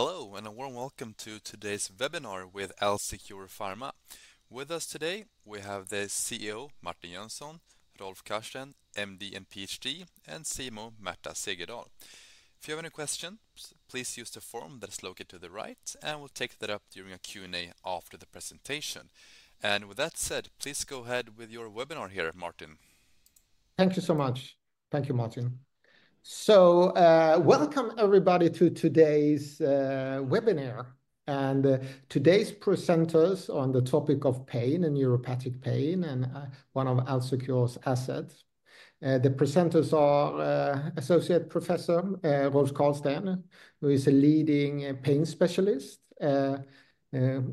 Hello, and a warm welcome to today's webinar with AlzeCure Pharma. With us today, we have the CEO, Martin Jönsson, Rolf Karlsten, MD, and PhD, and CMO, Märta Segerdahl. If you have any questions, please use the form that is located to the right, and we'll take that up during a Q&A after the presentation. And with that said, please go ahead with your webinar here, Martin. Thank you so much. Thank you, Martin. Welcome everybody to today's webinar, and today's presenters on the topic of pain and neuropathic pain and one of AlzeCure's assets. The presenters are Associate Professor Rolf Karlsten, who is a leading pain specialist.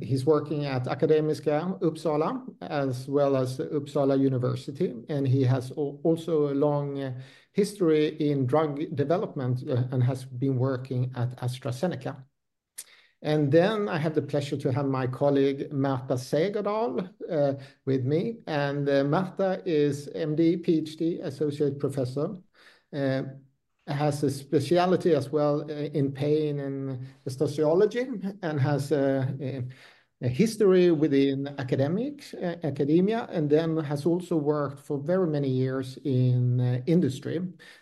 He's working at Akademiska, Uppsala, as well as Uppsala University, and he has also a long history in drug development and has been working at AstraZeneca. Then I have the pleasure to have my colleague, Märta Segerdahl, with me, and Märta is MD, PhD, Associate Professor, has a specialty as well in pain and anesthesiology, and has a history within academia, and then has also worked for very many years in industry.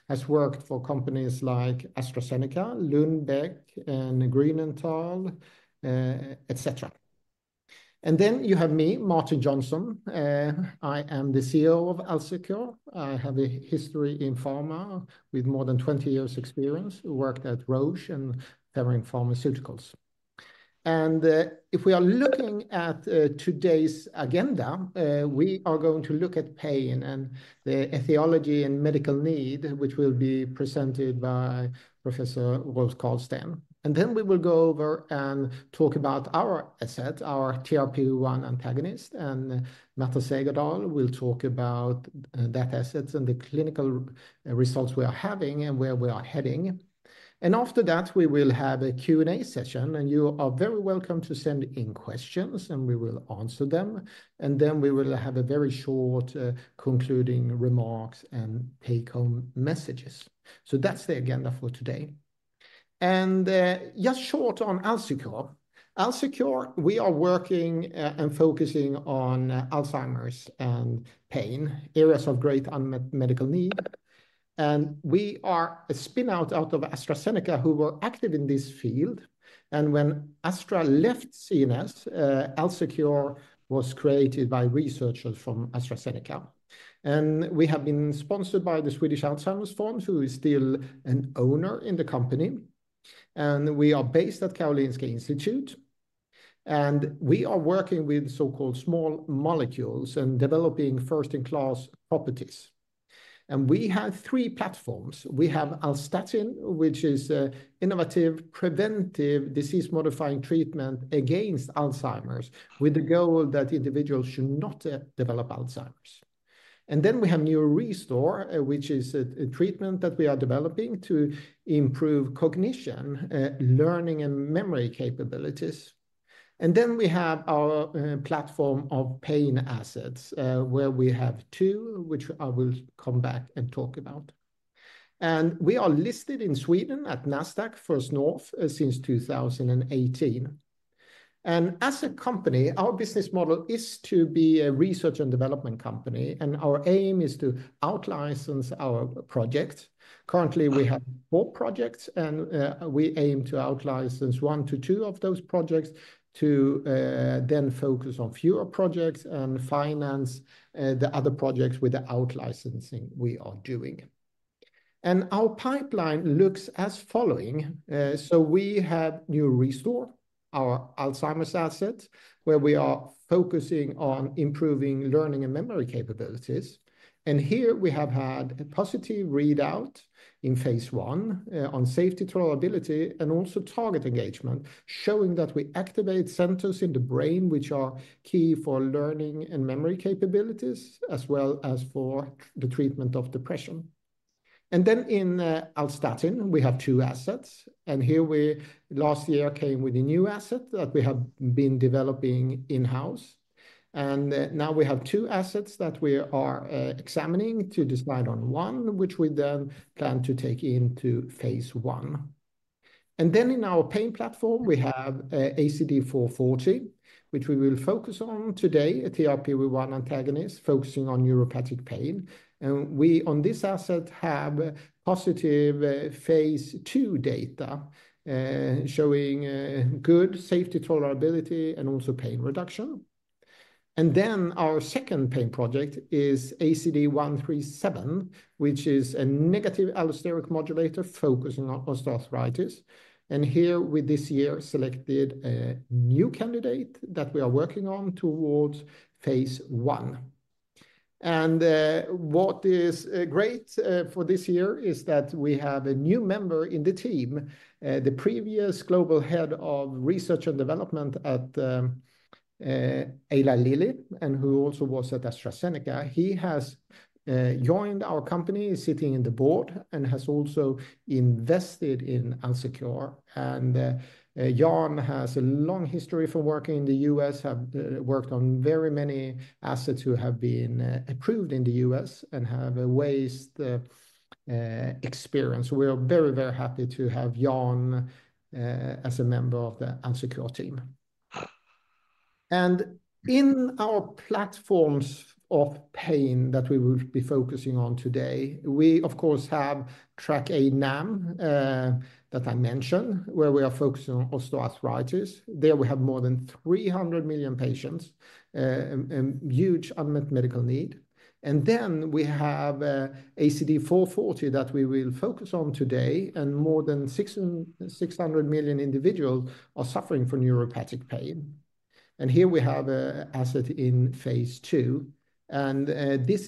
Has worked for companies like AstraZeneca, Lundbeck, and Grünenthal, et cetera. Then you have me, Martin Jönsson. I am the CEO of AlzeCure. I have a history in pharma with more than 20 years experience, worked at Roche and Ferring Pharmaceuticals. If we are looking at today's agenda, we are going to look at pain and the etiology and medical need, which will be presented by Professor Rolf Karlsten. Then we will go over and talk about our asset, our TRPV1 antagonist, and Märta Segerdahl will talk about that assets and the clinical results we are having and where we are heading. After that, we will have a Q&A session, and you are very welcome to send in questions, and we will answer them, and then we will have a very short concluding remarks and take-home messages, so that's the agenda for today, and just short on AlzeCure. AlzeCure, we are working and focusing on Alzheimer's and pain, areas of great unmet medical need. We are a spin-out of AstraZeneca, who were active in this field, and when Astra left CNS, AlzeCure was created by researchers from AstraZeneca. We have been sponsored by the Swedish Alzheimer's Fund, who is still an owner in the company, and we are based at Karolinska Institute, and we are working with so-called small molecules and developing first-in-class properties. We have three platforms. We have Alzstatin, which is an innovative, preventive, disease-modifying treatment against Alzheimer's, with the goal that individuals should not develop Alzheimer's. Then we have NeuroRestore, which is a treatment that we are developing to improve cognition, learning and memory capabilities. And then we have our platform of pain assets, where we have two, which I will come back and talk about. We are listed in Sweden at Nasdaq First North since 2018. As a company, our business model is to be a research and development company, and our aim is to out-license our project. Currently, we have four projects, and we aim to out-license one to two of those projects to then focus on fewer projects and finance the other projects with the out-licensing we are doing. Our pipeline looks as following. So we have NeuroRestore, our Alzheimer's asset, where we are focusing on improving learning and memory capabilities. Here, we have had a positive readout in phase one on safety, tolerability, and also target engagement, showing that we activate centers in the brain, which are key for learning and memory capabilities, as well as for the treatment of depression. Then in Alzstatin, we have two assets, and here we last year came with a new asset that we have been developing in-house. Now we have two assets that we are examining to decide on one, which we then plan to take into phase one. Then in our pain platform, we have ACD440, which we will focus on today, a TRPV1 antagonist, focusing on neuropathic pain. We on this asset have positive phase two data showing good safety, tolerability, and also pain reduction. Then our second pain project is ACD137, which is a negative allosteric modulator focusing on osteoarthritis. Here, we this year selected a new candidate that we are working on towards phase one. What is great for this year is that we have a new member in the team, the previous Global Head of Research and Development at Eli Lilly and who also was at AstraZeneca. He has joined our company, sitting in the board, and has also invested in Alzecure. Jan has a long history for working in the US, have worked on very many assets who have been approved in the US and have a vast experience. We are very, very happy to have Jan as a member of the Alzecure team. And in our platforms of pain that we will be focusing on today, we of course have TrkA NAM that I mentioned, where we are focusing on osteoarthritis. There we have more than 300 million patients and huge unmet medical need, and then we have ACD440 that we will focus on today, and more than 600 million individuals are suffering from neuropathic pain. Here we have an asset in phase 2, and this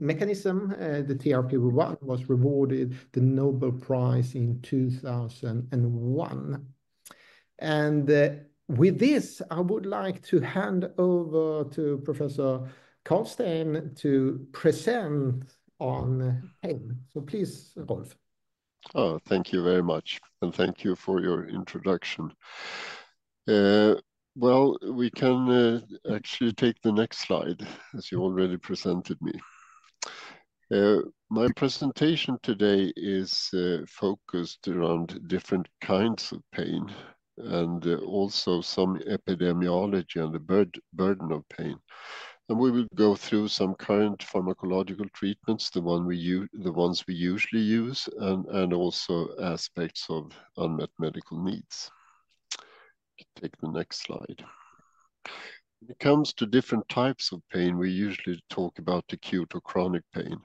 mechanism, the TRPV1, was awarded the Nobel Prize in 2001. With this, I would like to hand over to Professor Karlsten to present on pain. Please, Rolf. Oh, thank you very much, and thank you for your introduction. Well, we can actually take the next slide, as you already presented me. My presentation today is focused around different kinds of pain and also some epidemiology and the burden of pain. And we will go through some current pharmacological treatments, the ones we usually use, and also aspects of unmet medical needs. Take the next slide. When it comes to different types of pain, we usually talk about acute or chronic pain,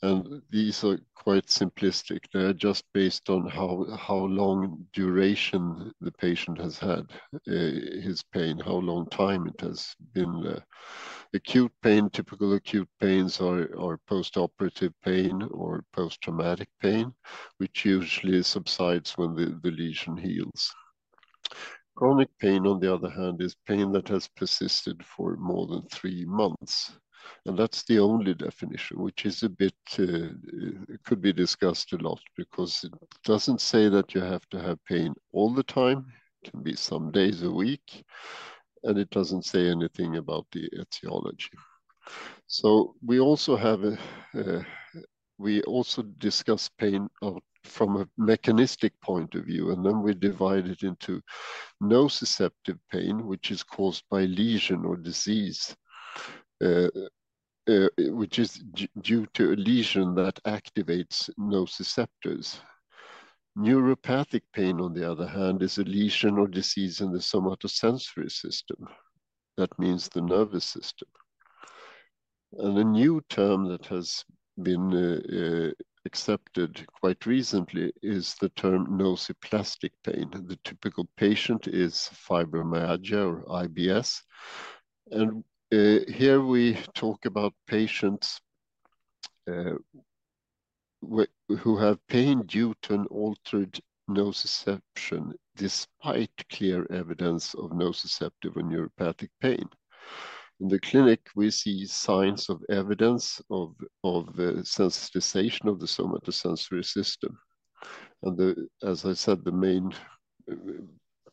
and these are quite simplistic. They're just based on how long duration the patient has had his pain, how long time it has been. Acute pain, typical acute pains are postoperative pain or post-traumatic pain, which usually subsides when the lesion heals. Chronic pain, on the other hand, is pain that has persisted for more than three months, and that's the only definition, which is a bit, could be discussed a lot because it doesn't say that you have to have pain all the time. It can be some days a week, and it doesn't say anything about the etiology, so we also discuss pain from a mechanistic point of view, and then we divide it into nociceptive pain, which is caused by lesion or disease, which is due to a lesion that activates nociceptors. Neuropathic pain, on the other hand, is a lesion or disease in the somatosensory system. That means the nervous system, and a new term that has been accepted quite recently is the term nociplastic pain. The typical patient is Fibromyalgia or IBS. Here we talk about patients who have pain due to an altered nociception, despite no clear evidence of nociceptive and neuropathic pain. In the clinic, we see signs, evidence of sensitization of the somatosensory system. As I said, the main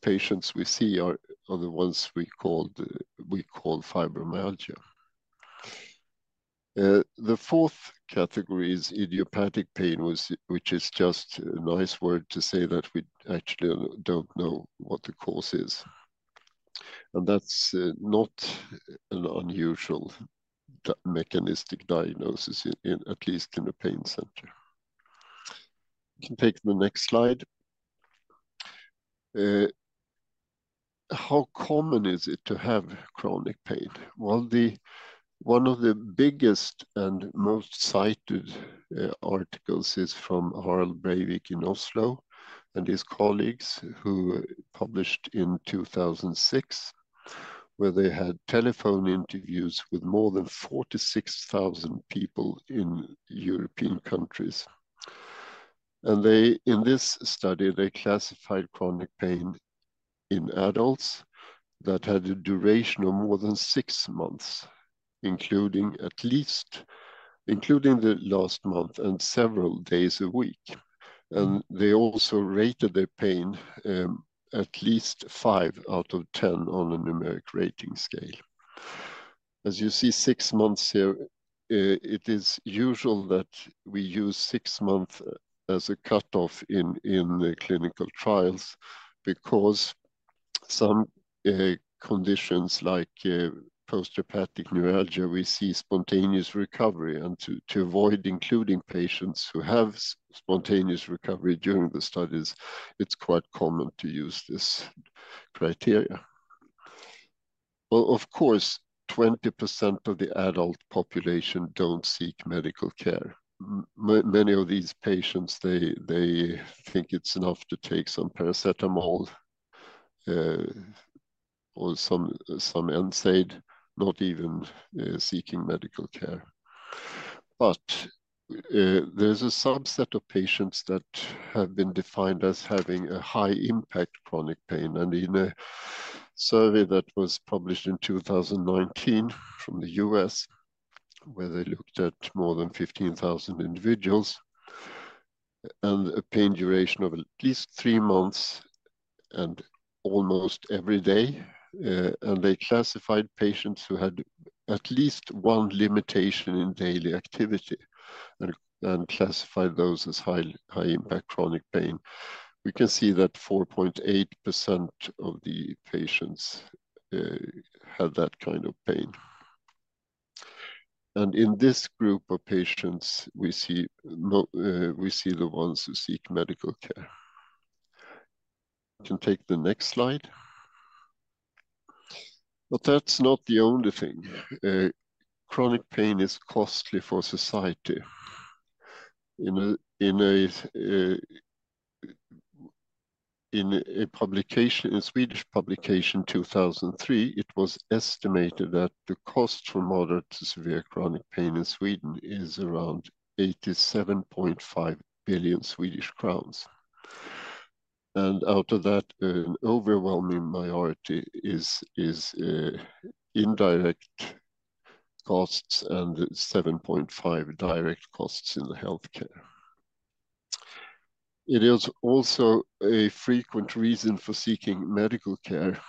patients we see are the ones we call fibromyalgia. The fourth category is idiopathic pain, which is just a nice word to say that we actually do not know what the cause is, and that is not an unusual mechanistic diagnosis in at least a pain center. You can take the next slide. How common is it to have chronic pain? One of the biggest and most cited articles is from Harald Breivik in Oslo and his colleagues, who published in 2006, where they had telephone interviews with more than 46,000 people in European countries. They, in this study, classified chronic pain in adults that had a duration of more than six months, including at least the last month and several days a week. They also rated their pain at least 5 out of 10 on a numeric rating scale. As you see, six months here. It is usual that we use six months as a cutoff in the clinical trials because some conditions like postherpetic neuralgia, we see spontaneous recovery, and to avoid including patients who have spontaneous recovery during the studies, it's quite common to use this criteria. Of course, 20% of the adult population don't seek medical care. Many of these patients, they think it's enough to take some paracetamol or some NSAID, not even seeking medical care. There's a subset of patients that have been defined as having a high-impact chronic pain. In a survey that was published in 2019 from the U.S., where they looked at more than 15,000 individuals, and a pain duration of at least three months and almost every day, and they classified patients who had at least one limitation in daily activity and classify those as high impact chronic pain, we can see that 4.8% of the patients have that kind of pain. In this group of patients, we see the ones who seek medical care. You can take the next slide. But that's not the only thing. Chronic pain is costly for society. In a publication, in Swedish publication 2003, it was estimated that the cost from moderate to severe chronic pain in Sweden is around 87.5 billion Swedish crowns. And out of that, an overwhelming minority is indirect costs and 7.5 billion direct costs in the healthcare. It is also a frequent reason for seeking medical care.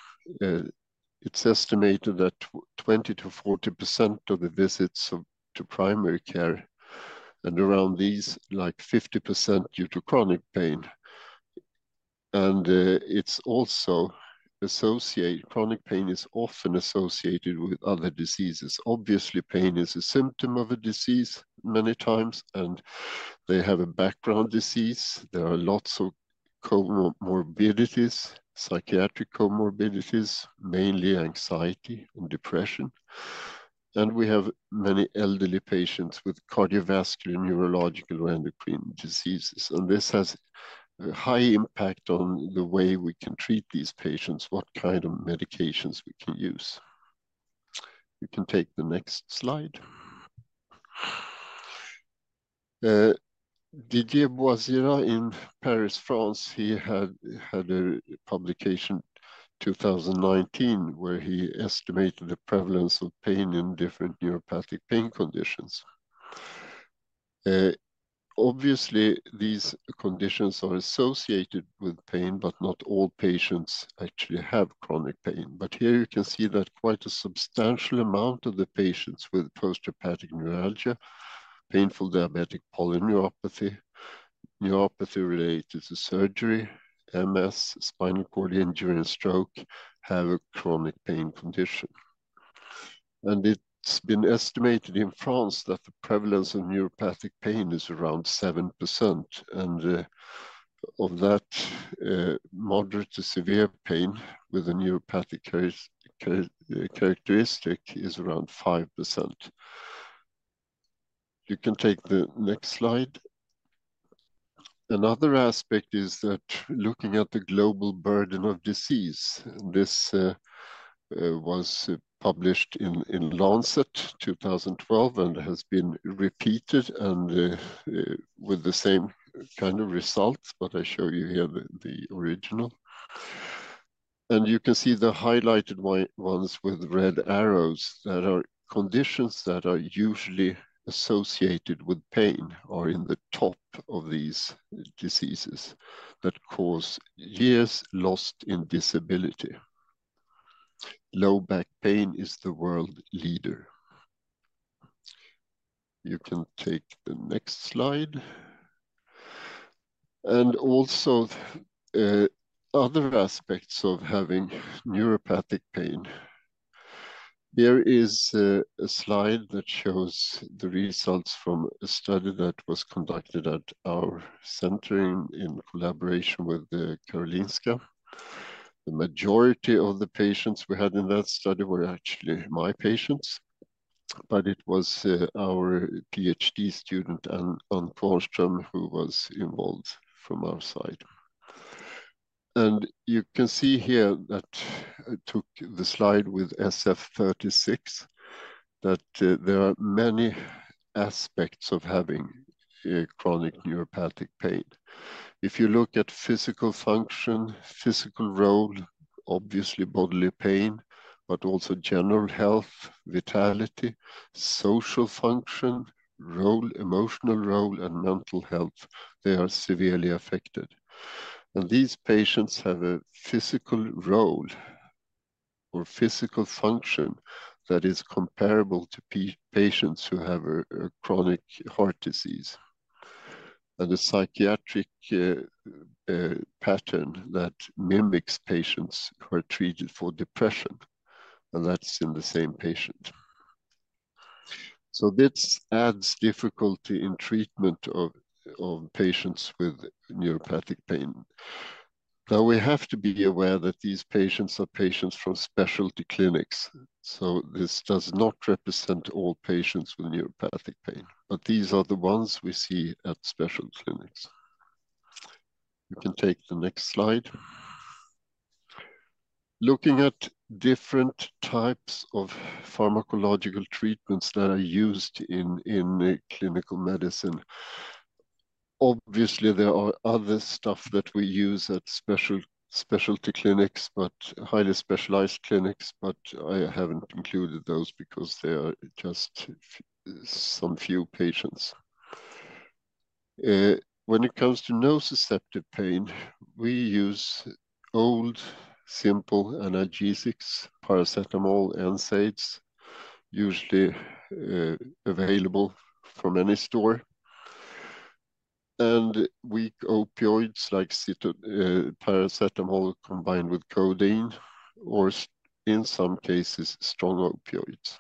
It's estimated that 20%-40% of the visits to primary care, and around these, like 50% due to chronic pain. And it's also associated. Chronic pain is often associated with other diseases. Obviously, pain is a symptom of a disease many times, and they have a background disease. There are lots of comorbidities, psychiatric comorbidities, mainly anxiety and depression, and we have many elderly patients with cardiovascular and neurological and endocrine diseases, and this has a high impact on the way we can treat these patients, what kind of medications we can use. You can take the next slide. Didier Bouhassira in Paris, France, he had a publication, 2019, where he estimated the prevalence of pain in different neuropathic pain conditions. Obviously, these conditions are associated with pain, but not all patients actually have chronic pain, but here you can see that quite a substantial amount of the patients with postherpetic neuralgia, painful diabetic polyneuropathy, neuropathy related to surgery, MS, spinal cord injury, and stroke, have a chronic pain condition. And it's been estimated in France that the prevalence of neuropathic pain is around 7%, and of that, moderate to severe pain with a neuropathic characteristic is around 5%. You can take the next slide. Another aspect is that looking at the global burden of disease, and this was published in Lancet two thousand and twelve and has been repeated and with the same kind of results, but I show you here the original. And you can see the highlighted white ones with red arrows that are conditions that are usually associated with pain or in the top of these diseases that cause years lost in disability. Low back pain is the world leader. You can take the next slide. And also, other aspects of having neuropathic pain. There is a slide that shows the results from a study that was conducted at our center in collaboration with the Karolinska. The majority of the patients we had in that study were actually my patients, but it was our PhD student, Ann Forsström, who was involved from our side. And you can see here that I took the slide with SF-36, that there are many aspects of having a chronic neuropathic pain. If you look at physical function, physical role, obviously bodily pain, but also general health, vitality, social function, role, emotional role, and mental health, they are severely affected. And these patients have a physical role or physical function that is comparable to patients who have a chronic heart disease, and a psychiatric pattern that mimics patients who are treated for depression, and that's in the same patient. So this adds difficulty in treatment of patients with neuropathic pain. Now, we have to be aware that these patients are from specialty clinics, so this does not represent all patients with neuropathic pain, but these are the ones we see at special clinics. You can take the next slide. Looking at different types of pharmacological treatments that are used in clinical medicine, obviously, there are other stuff that we use at specialty clinics, but highly specialized clinics, but I haven't included those because they are just some few patients. When it comes to nociceptive pain, we use old, simple analgesics, paracetamol, NSAIDs, usually available from any store, and weak opioids like paracetamol combined with codeine, or in some cases, strong opioids.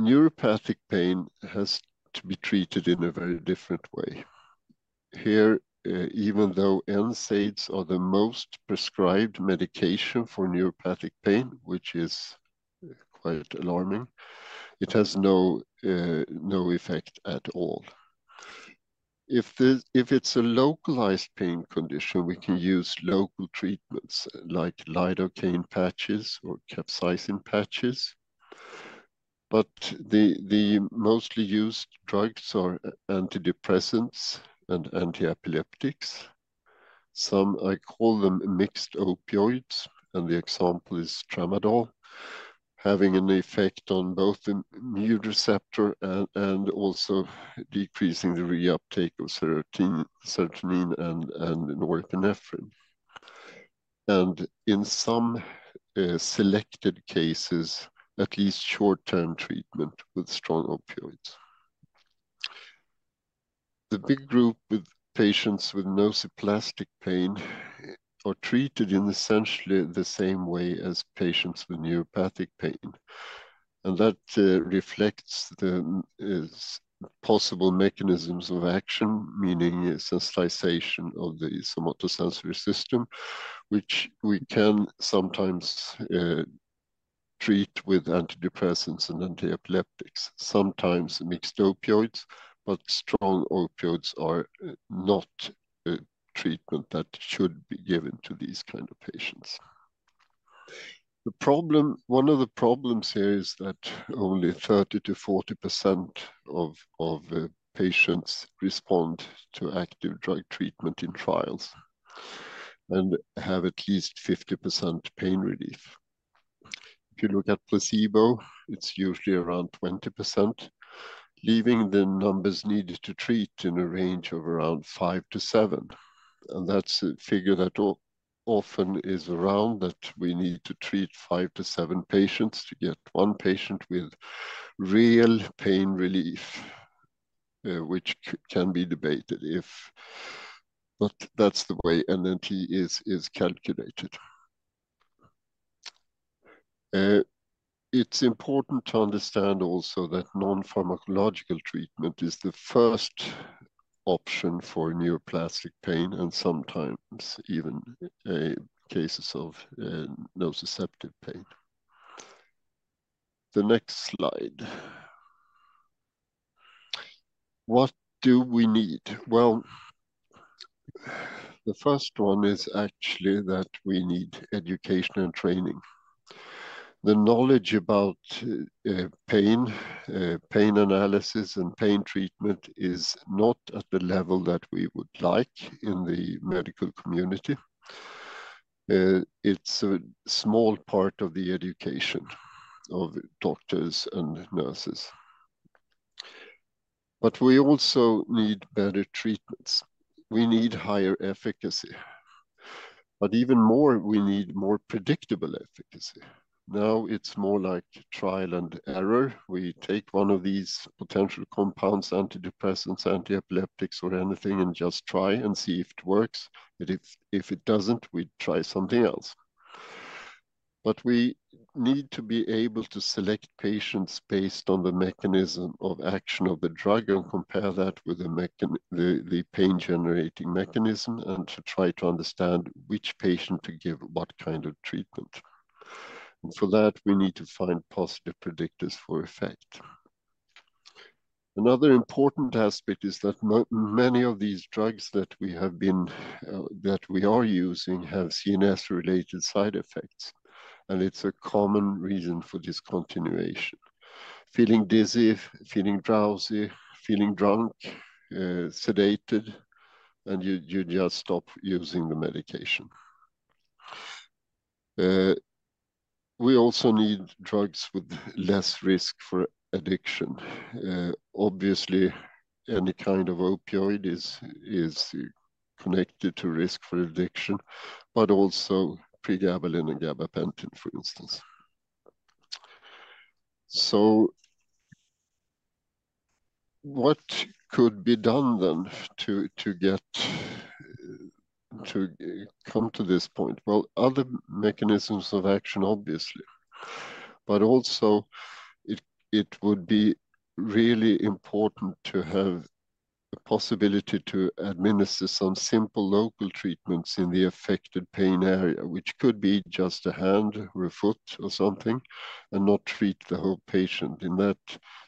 Neuropathic pain has to be treated in a very different way. Here, even though NSAIDs are the most prescribed medication for neuropathic pain, which is quite alarming, it has no effect at all. If it's a localized pain condition, we can use local treatments like lidocaine patches or capsaicin patches, but the mostly used drugs are antidepressants and antiepileptics. Some I call them mixed opioids, and the example is tramadol, having an effect on both the mu receptor and also decreasing the reuptake of serotonin and norepinephrine. In some selected cases, at least short-term treatment with strong opioids. The big group with patients with nociplastic pain are treated in essentially the same way as patients with neuropathic pain, and that reflects the possible mechanisms of action, meaning sensitization of the somatosensory system, which we can sometimes treat with antidepressants and antiepileptics, sometimes mixed opioids, but strong opioids are not a treatment that should be given to these kind of patients. The problem. One of the problems here is that only 30%-40% of patients respond to active drug treatment in trials and have at least 50% pain relief. If you look at placebo, it's usually around 20%, leaving the numbers needed to treat in a range of around 5-7. That's a figure that often is around, that we need to treat five to seven patients to get one patient with real pain relief, which can be debated if. But that's the way NNT is calculated. It's important to understand also that non-pharmacological treatment is the first option for neuropathic pain and sometimes even cases of nociceptive pain. The next slide. What do we need? Well, the first one is actually that we need education and training. The knowledge about pain, pain analysis and pain treatment is not at the level that we would like in the medical community. It's a small part of the education of doctors and nurses. But we also need better treatments. We need higher efficacy. But even more, we need more predictable efficacy. Now, it's more like trial and error. We take one of these potential compounds, antidepressants, antiepileptics or anything, and just try and see if it works. And if it doesn't, we try something else. But we need to be able to select patients based on the mechanism of action of the drug and compare that with the pain-generating mechanism, and to try to understand which patient to give what kind of treatment. And for that, we need to find positive predictors for effect. Another important aspect is that many of these drugs that we are using have CNS-related side effects, and it's a common reason for discontinuation. Feeling dizzy, feeling drowsy, feeling drunk, sedated, and you just stop using the medication. We also need drugs with less risk for addiction. Obviously, any kind of opioid is connected to risk for addiction, but also pregabalin and gabapentin, for instance. What could be done then to come to this point? Other mechanisms of action, obviously, but also, it would be really important to have a possibility to administer some simple local treatments in the affected pain area, which could be just a hand or a foot or something, and not treat the whole patient. In that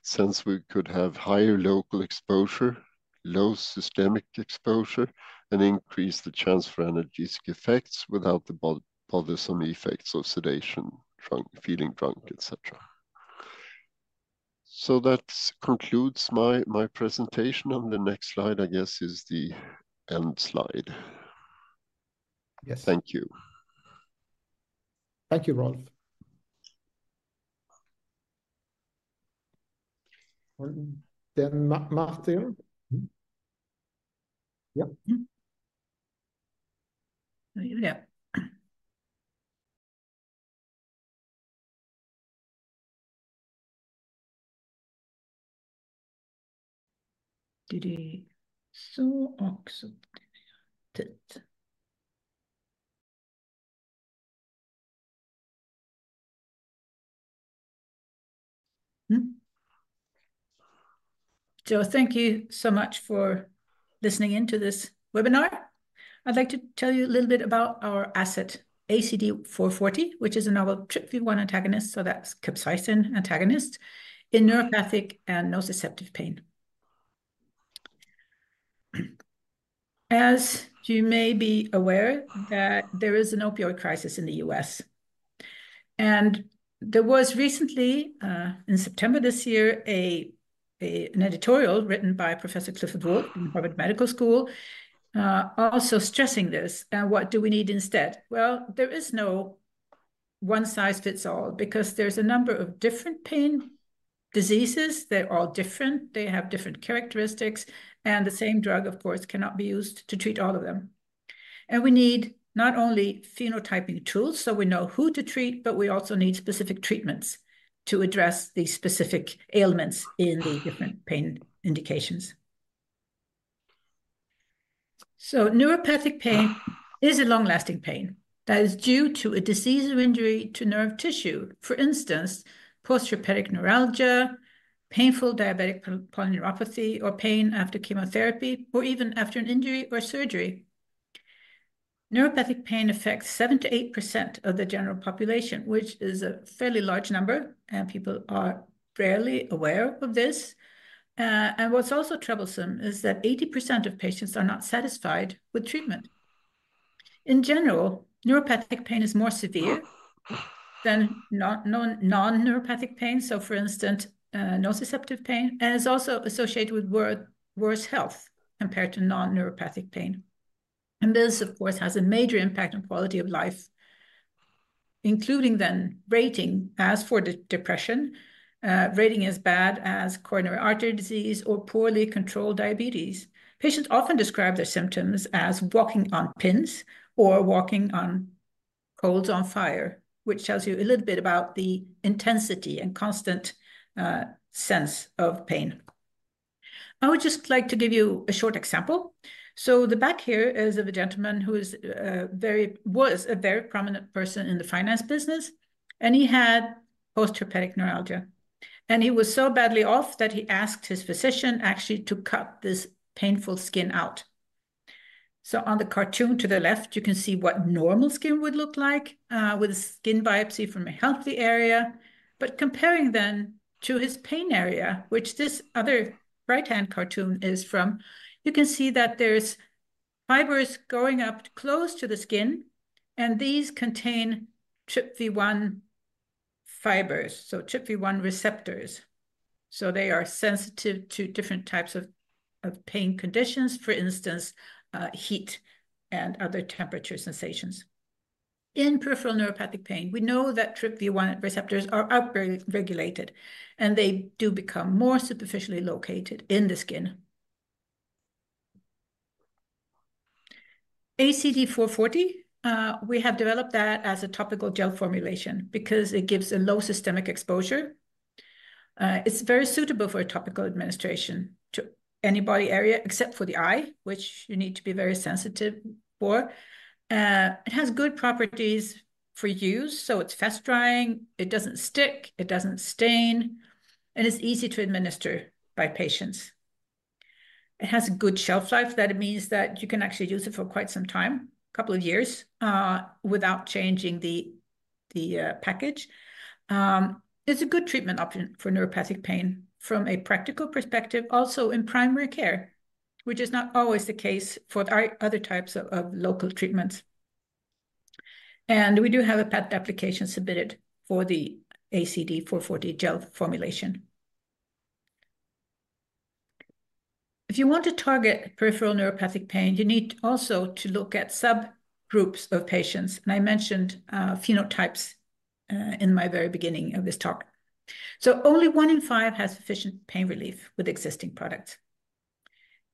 sense, we could have higher local exposure, low systemic exposure, and increase the chance for analgesic effects without the bothersome effects of sedation, drunk, feeling drunk, et cetera. That concludes my presentation, and the next slide, I guess, is the end slide. Yes. Thank you. Thank you, Rolf. And then Martin? Mm-hmm. Yeah. Mm-hmm. Yeah. So thank you so much for listening in to this webinar. I'd like to tell you a little bit about our asset, ACD440, which is a novel TRPV1 antagonist, so that's capsaicin antagonist in neuropathic and nociceptive pain. As you may be aware, that there is an opioid crisis in the US, and there was recently, in September this year, an editorial written by Professor Clifford Woolf, Harvard Medical School, also stressing this, "And what do we need instead?" Well, there is no one-size-fits-all because there's a number of different pain diseases. They're all different. They have different characteristics, and the same drug, of course, cannot be used to treat all of them. And we need not only phenotyping tools, so we know who to treat, but we also need specific treatments to address the specific ailments in the different pain indications. Neuropathic pain is a long-lasting pain that is due to a disease or injury to nerve tissue. For instance, postherpetic neuralgia, painful diabetic polyneuropathy, or pain after chemotherapy, or even after an injury or surgery. Neuropathic pain affects 7%-8% of the general population, which is a fairly large number, and people are rarely aware of this. And what's also troublesome is that 80% of patients are not satisfied with treatment. In general, neuropathic pain is more severe than non-neuropathic pain, so for instance, nociceptive pain, and is also associated with worse health compared to non-neuropathic pain. And this, of course, has a major impact on quality of life, including then rating as for depression, rating as bad as coronary artery disease or poorly controlled diabetes. Patients often describe their symptoms as walking on pins or walking on coals on fire, which tells you a little bit about the intensity and constant, sense of pain. I would just like to give you a short example. So the back here is of a gentleman who is, very... was a very prominent person in the finance business, and he had postherpetic neuralgia, and he was so badly off that he asked his physician actually to cut this painful skin out. So on the cartoon to the left, you can see what normal skin would look like, with a skin biopsy from a healthy area. But comparing then to his pain area, which this other right-hand cartoon is from, you can see that there's fibers going up close to the skin, and these contain TRPV1 fibers, so TRPV1 receptors. They are sensitive to different types of pain conditions, for instance, heat and other temperature sensations. In peripheral neuropathic pain, we know that TRPV1 receptors are upregulated, and they do become more superficially located in the skin. ACD440, we have developed that as a topical gel formulation because it gives a low systemic exposure. It's very suitable for a topical administration to any body area except for the eye, which you need to be very sensitive for. It has good properties for use, so it's fast-drying, it doesn't stick, it doesn't stain, and it's easy to administer by patients. It has a good shelf life. That means that you can actually use it for quite some time, couple of years, without changing the package. It's a good treatment option for neuropathic pain from a practical perspective, also in primary care, which is not always the case for other types of local treatments. And we do have a patent application submitted for the ACD440 gel formulation. If you want to target peripheral neuropathic pain, you need also to look at subgroups of patients, and I mentioned phenotypes in my very beginning of this talk. So only one in five has sufficient pain relief with existing products.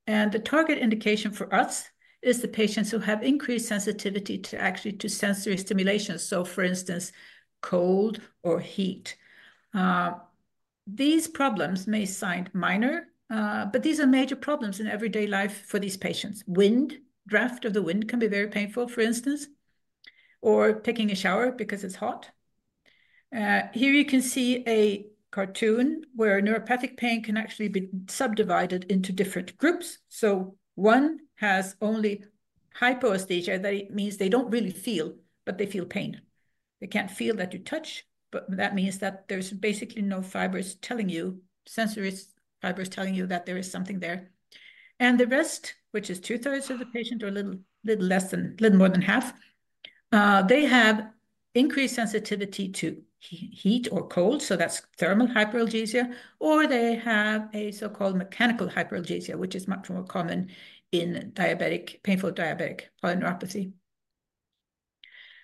And the target indication for us is the patients who have increased sensitivity to actually to sensory stimulation, so for instance, cold or heat. These problems may sound minor, but these are major problems in everyday life for these patients. Wind, draft of the wind can be very painful, for instance, or taking a shower because it's hot. Here you can see a cartoon where neuropathic pain can actually be subdivided into different groups, so one has only hypoesthesia, that it means they don't really feel, but they feel pain. They can't feel that you touch, but that means that there's basically no sensory fibers telling you that there is something there. And the rest, which is two-thirds of the patient or a little less than little more than half, they have increased sensitivity to heat or cold, so that's thermal hyperalgesia, or they have a so-called mechanical hyperalgesia, which is much more common in painful diabetic polyneuropathy,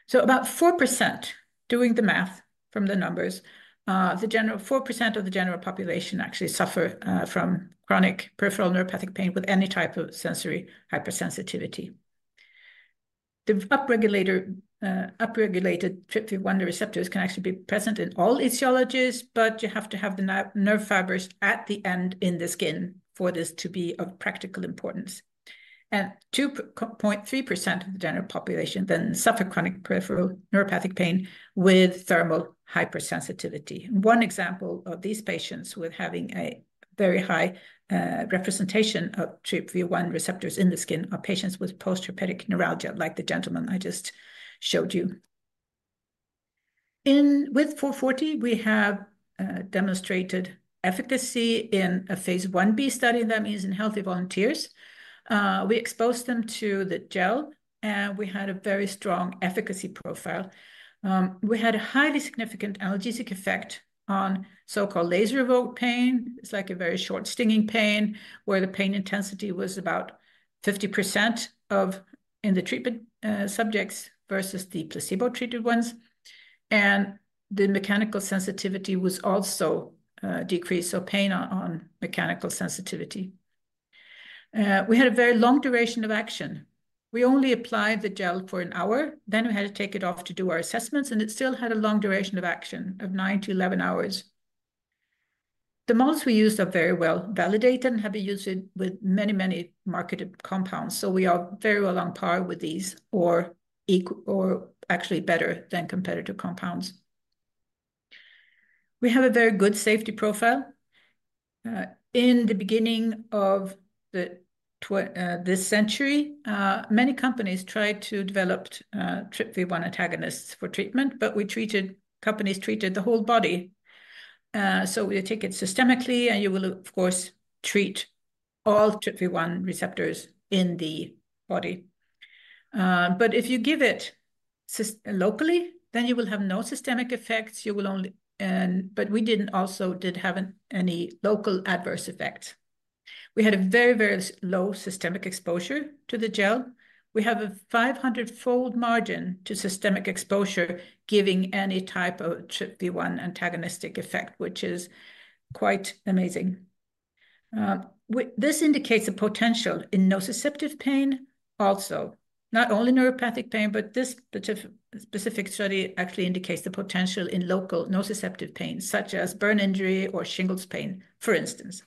so about 4%, doing the math from the numbers, 4% of the general population actually suffer from chronic peripheral neuropathic pain with any type of sensory hypersensitivity. The upregulated TRPV1 receptors can actually be present in all etiologies, but you have to have the nerve fibers at the end in the skin for this to be of practical importance. 2.3% of the general population then suffer chronic peripheral neuropathic pain with thermal hypersensitivity. One example of these patients with having a very high representation of TRPV1 receptors in the skin are patients with postherpetic neuralgia, like the gentleman I just showed you. In with ACD440, we have demonstrated efficacy in a phase Ib study, that means in healthy volunteers. We exposed them to the gel, and we had a very strong efficacy profile. We had a highly significant analgesic effect on so-called laser-evoked pain. It's like a very short, stinging pain, where the pain intensity was about 50% of in the treatment subjects, versus the placebo-treated ones. The mechanical sensitivity was also decreased, so pain on mechanical sensitivity. We had a very long duration of action. We only applied the gel for an hour, then we had to take it off to do our assessments, and it still had a long duration of action of nine to 11 hours. The models we used are very well validated and have been used with many, many marketed compounds, so we are very well on par with these, or actually better than competitive compounds. We have a very good safety profile. In the beginning of this century, many companies tried to develop TRPV1 antagonists for treatment, but companies treated the whole body. So you take it systemically, and you will, of course, treat all TRPV1 receptors in the body. But if you give it locally, then you will have no systemic effects. You will only... But we also didn't have any local adverse effects. We had a very, very low systemic exposure to the gel. We have a 500-fold margin to systemic exposure, giving any type of TRPV1 antagonistic effect, which is quite amazing. This indicates a potential in nociceptive pain, also, not only neuropathic pain, but this specific study actually indicates the potential in local nociceptive pain, such as burn injury or shingles pain, for instance.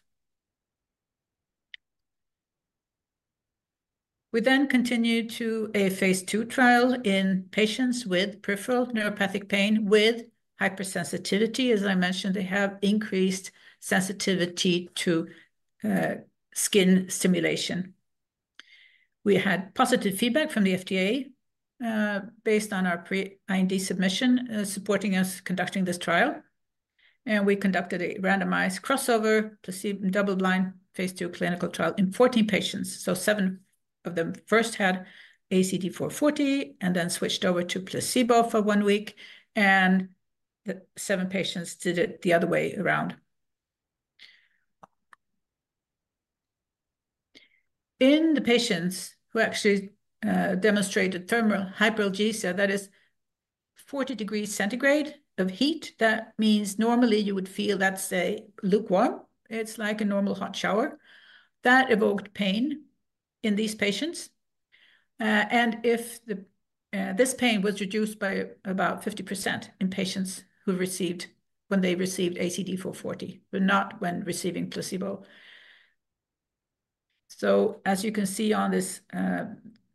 We then continued to a phase II trial in patients with peripheral neuropathic pain with hypersensitivity. As I mentioned, they have increased sensitivity to skin stimulation. We had positive feedback from the FDA based on our pre-IND submission supporting us conducting this trial, and we conducted a randomized crossover placebo-double-blind phase II clinical trial in 14 patients. So seven of them first had ACD440 and then switched over to placebo for one week, and the seven patients did it the other way around. In the patients who actually demonstrated thermal hyperalgesia, that is 40 degrees Celsius of heat, that means normally you would feel that's a lukewarm. It's like a normal hot shower. That evoked pain in these patients, and if this pain was reduced by about 50% in patients who received when they received ACD440, but not when receiving placebo. So as you can see on this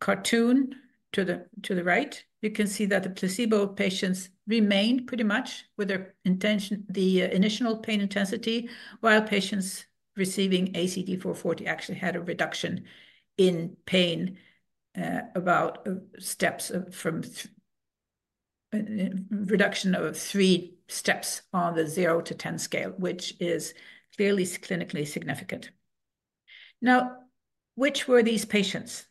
cartoon to the right, you can see that the placebo patients remained pretty much with their initial pain intensity, while patients receiving ACD440 actually had a reduction in pain about steps of from reduction of three steps on the 0 to 10 scale, which is clearly clinically significant. Now, which were these patients?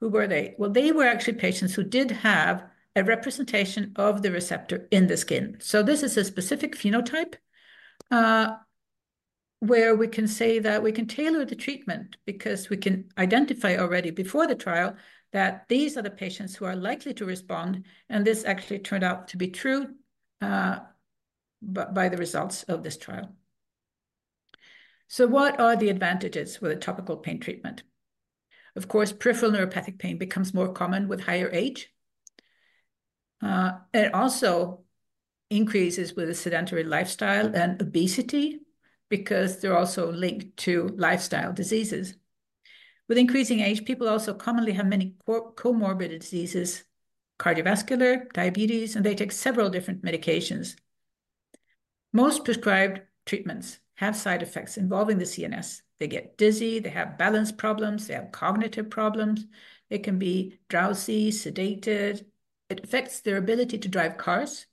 Who were they? Well, they were actually patients who did have a representation of the receptor in the skin. This is a specific phenotype, where we can say that we can tailor the treatment because we can identify already before the trial that these are the patients who are likely to respond, and this actually turned out to be true, by the results of this trial. So what are the advantages with a topical pain treatment? Of course, peripheral neuropathic pain becomes more common with higher age, and also increases with a sedentary lifestyle and obesity, because they're also linked to lifestyle diseases. With increasing age, people also commonly have many comorbid diseases, cardiovascular, diabetes, and they take several different medications. Most prescribed treatments have side effects involving the CNS. They get dizzy, they have balance problems, they have cognitive problems. They can be drowsy, sedated. It affects their ability to drive cars,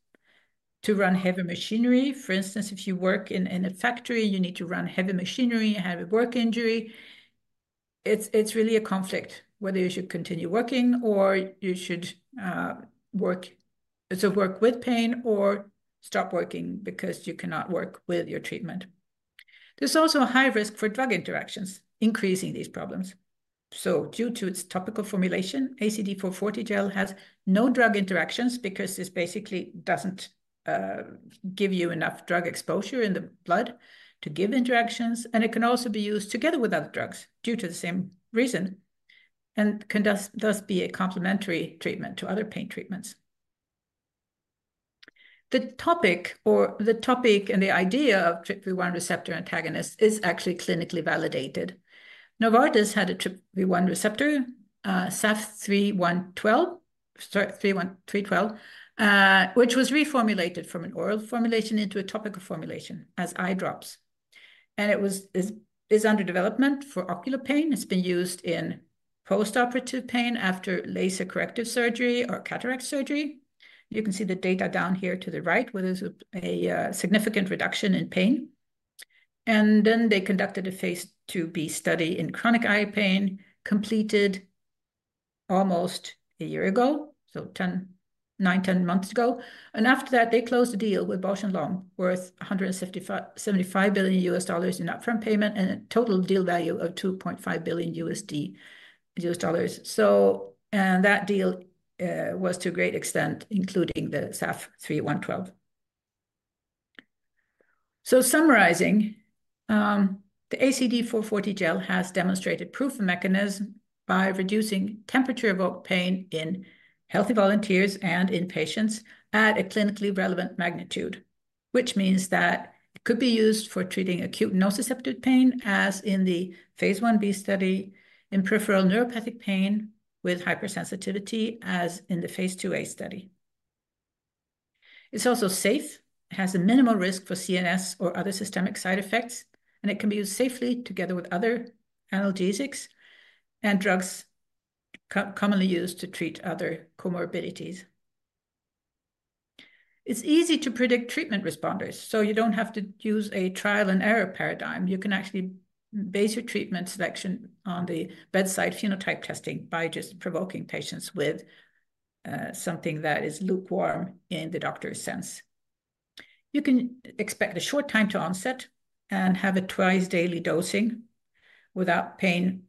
to run heavy machinery. For instance, if you work in a factory, you need to run heavy machinery, you have a work injury, it's really a conflict whether you should continue working or you should work with pain or stop working because you cannot work with your treatment. There's also a high risk for drug interactions increasing these problems. So due to its topical formulation, ACD-440 gel has no drug interactions because this basically doesn't give you enough drug exposure in the blood to give interactions, and it can also be used together with other drugs due to the same reason, and can thus be a complementary treatment to other pain treatments. The topical and the idea of TRPV1 receptor antagonist is actually clinically validated. Novartis had a TRPV1 receptor, SAF312, sorry, three one two, which was reformulated from an oral formulation into a topical formulation as eye drops, and it is under development for ocular pain. It's been used in postoperative pain after laser corrective surgery or cataract surgery. You can see the data down here to the right, where there's a significant reduction in pain. And then they conducted a phase 2b study in chronic eye pain, completed almost a year ago, so ten months ago. And after that, they closed the deal with Bausch + Lomb, worth $155 million in upfront payment and a total deal value of $2.5 billion. And that deal was to a great extent including the SAF312. Summarizing, the ACD-440 gel has demonstrated proof of mechanism by reducing temperature-evoked pain in healthy volunteers and in patients at a clinically relevant magnitude, which means that it could be used for treating acute nociceptive pain, as in the phase one B study, in peripheral neuropathic pain with hypersensitivity, as in the phase two A study. It's also safe, has a minimal risk for CNS or other systemic side effects, and it can be used safely together with other analgesics and drugs commonly used to treat other comorbidities. It's easy to predict treatment responders, so you don't have to use a trial-and-error paradigm. You can actually base your treatment selection on the bedside phenotype testing by just provoking patients with something that is lukewarm in the doctor's sense. You can expect a short time to onset and have a twice-daily dosing without pain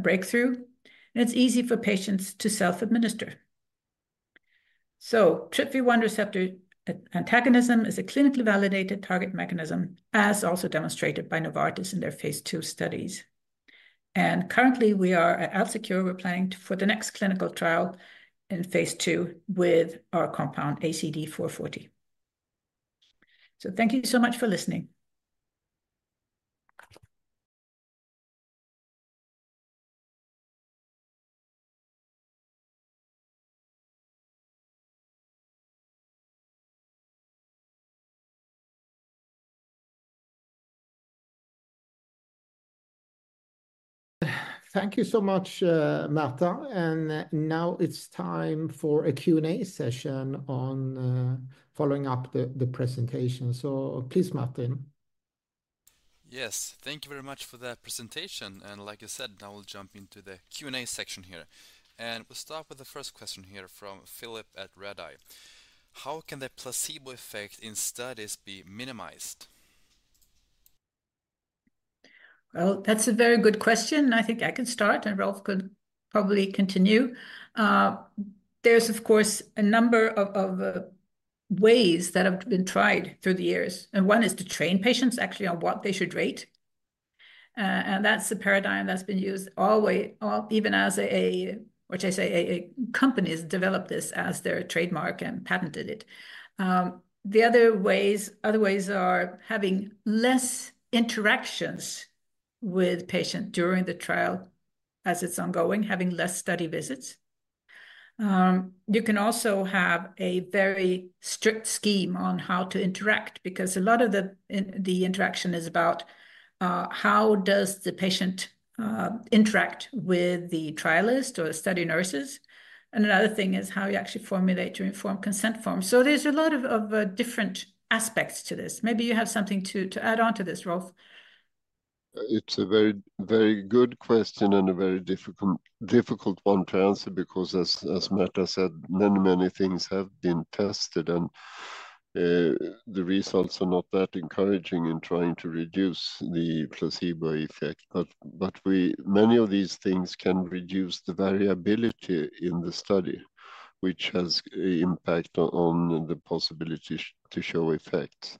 breakthrough, and it's easy for patients to self-administer. So TRPV1 receptor antagonism is a clinically validated target mechanism, as also demonstrated by Novartis in their phase two studies. And currently, we are at AlzeCure planning for the next clinical trial in phase two with our compound, ACD440. So thank you so much for listening. Thank you so much, Märta, and now it's time for a Q&A session on, following up the presentation. So please, Martin. Yes, thank you very much for that presentation. And like you said, now we'll jump into the Q&A section here. And we'll start with the first question here from Philip at Redeye. "How can the placebo effect in studies be minimized? That's a very good question. I think I can start, and Rolf could probably continue. There's of course a number of ways that have been tried through the years, and one is to train patients actually on what they should rate. And that's the paradigm that's been used all the way, even as a company has developed this as their trademark and patented it. The other ways are having less interactions with patient during the trial as it's ongoing, having less study visits. You can also have a very strict scheme on how to interact, because a lot of the interaction is about how does the patient interact with the trialist or the study nurses? And another thing is how you actually formulate your informed consent form. So there's a lot of different aspects to this. Maybe you have something to add on to this, Rolf. It's a very, very good question and a very difficult, difficult one to answer because as Märta said, many, many things have been tested, and the results are not that encouraging in trying to reduce the placebo effect. But many of these things can reduce the variability in the study, which has an impact on the possibility to show effect.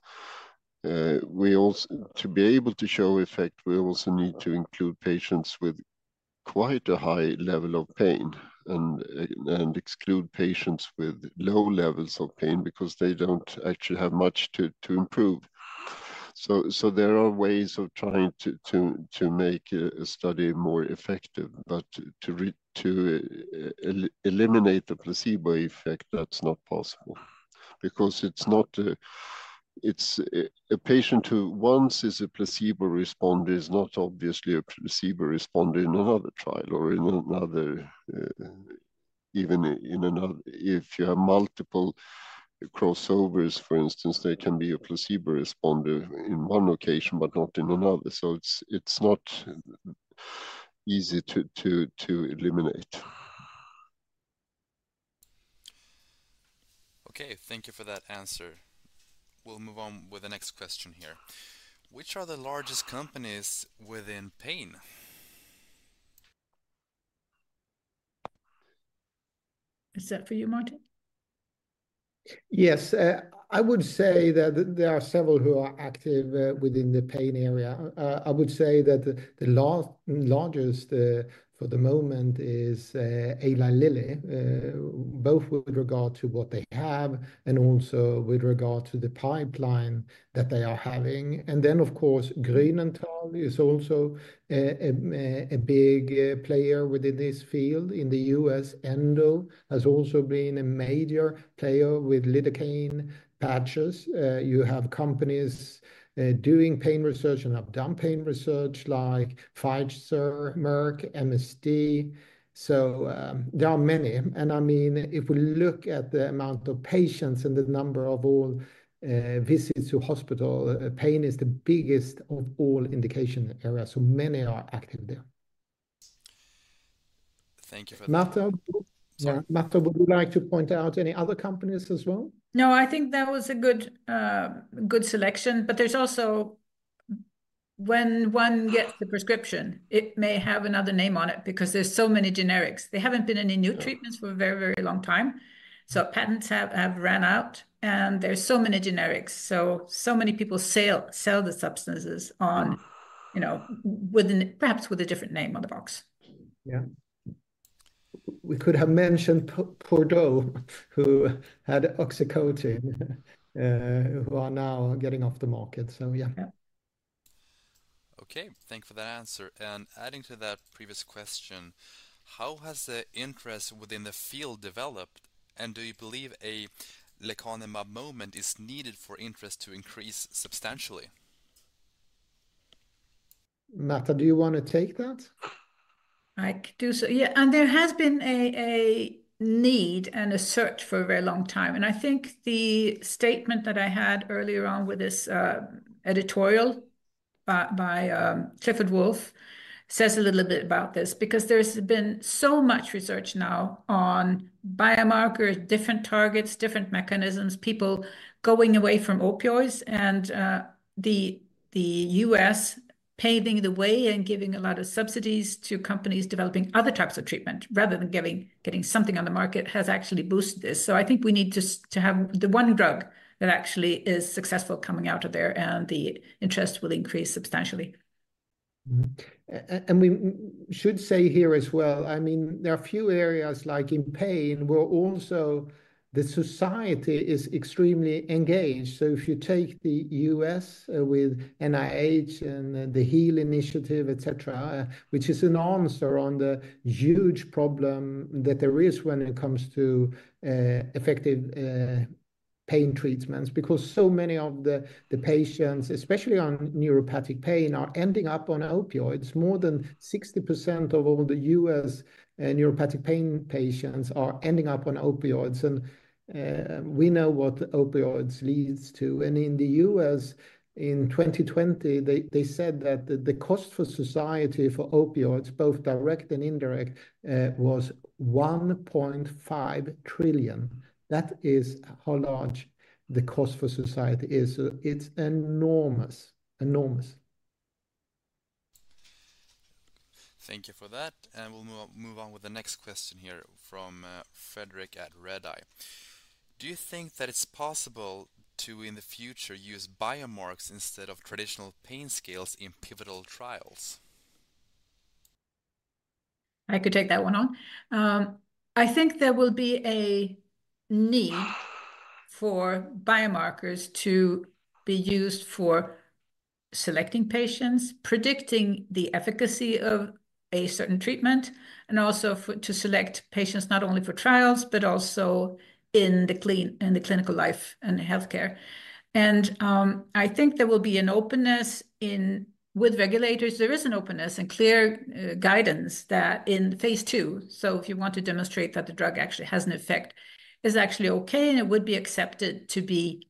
To be able to show effect, we also need to include patients with quite a high level of pain and exclude patients with low levels of pain because they don't actually have much to improve. So there are ways of trying to make a study more effective, but to eliminate the placebo effect, that's not possible. Because it's not a... It's a patient who once is a placebo responder, is not obviously a placebo responder in another trial or in another, even in another. If you have multiple crossovers, for instance, they can be a placebo responder in one occasion, but not in another. So it's not easy to eliminate.... thank you for that answer. We'll move on with the next question here. Which are the largest companies within pain? Is that for you, Martin? Yes, I would say that there are several who are active within the pain area. I would say that the largest for the moment is Eli Lilly, both with regard to what they have and also with regard to the pipeline that they are having. And then, of course, Grünenthal is also a big player within this field. In the US, Endo has also been a major player with lidocaine patches. You have companies doing pain research and have done pain research like Pfizer, Merck, MSD. So, there are many. And I mean, if we look at the amount of patients and the number of all visits to hospital, pain is the biggest of all indication areas, so many are active there. Thank you for that. Marta- Sorry. Märta, would you like to point out any other companies as well? No, I think that was a good, good selection, but there's also... when one gets the prescription, it may have another name on it because there's so many generics. There haven't been any new treatments for a very, very long time, so patents have ran out, and there's so many generics, so many people sell the substances on, you know, with perhaps a different name on the box. Yeah. We could have mentioned Purdue, who had OxyContin, who are now getting off the market. So yeah. Yeah. Okay, thank you for that answer, and adding to that previous question, how has the interest within the field developed, and do you believe a Lecanemab moment is needed for interest to increase substantially? Märta, do you want to take that? I could do so. Yeah, and there has been a need and a search for a very long time. And I think the statement that I had earlier on with this editorial by Clifford Woolf says a little bit about this, because there's been so much research now on biomarkers, different targets, different mechanisms, people going away from opioids, and the U.S. paving the way and giving a lot of subsidies to companies developing other types of treatment, rather than getting something on the market, has actually boosted this. So I think we need just to have the one drug that actually is successful coming out of there, and the interest will increase substantially. And we should say here as well, I mean, there are a few areas, like in pain, where also the society is extremely engaged. So if you take the U.S., with NIH and the HEAL initiative, et cetera, which is enormous around the huge problem that there is when it comes to, effective, pain treatments. Because so many of the patients, especially on neuropathic pain, are ending up on opioids. More than 60% of all the U.S., neuropathic pain patients are ending up on opioids, and, we know what opioids leads to. And in the U.S., in 2020, they said that the cost for society for opioids, both direct and indirect, was $1.5 trillion. That is how large the cost for society is. So it's enormous. Enormous! Thank you for that, and we'll move on with the next question here from Frederick at Redeye. Do you think that it's possible to, in the future, use biomarkers instead of traditional pain scales in pivotal trials? I could take that one on. I think there will be a need for biomarkers to be used for selecting patients, predicting the efficacy of a certain treatment, and also for to select patients, not only for trials, but also in the clinical life and healthcare. And I think there will be an openness with regulators. There is an openness and clear guidance that in phase two, so if you want to demonstrate that the drug actually has an effect, is actually okay, and it would be accepted to be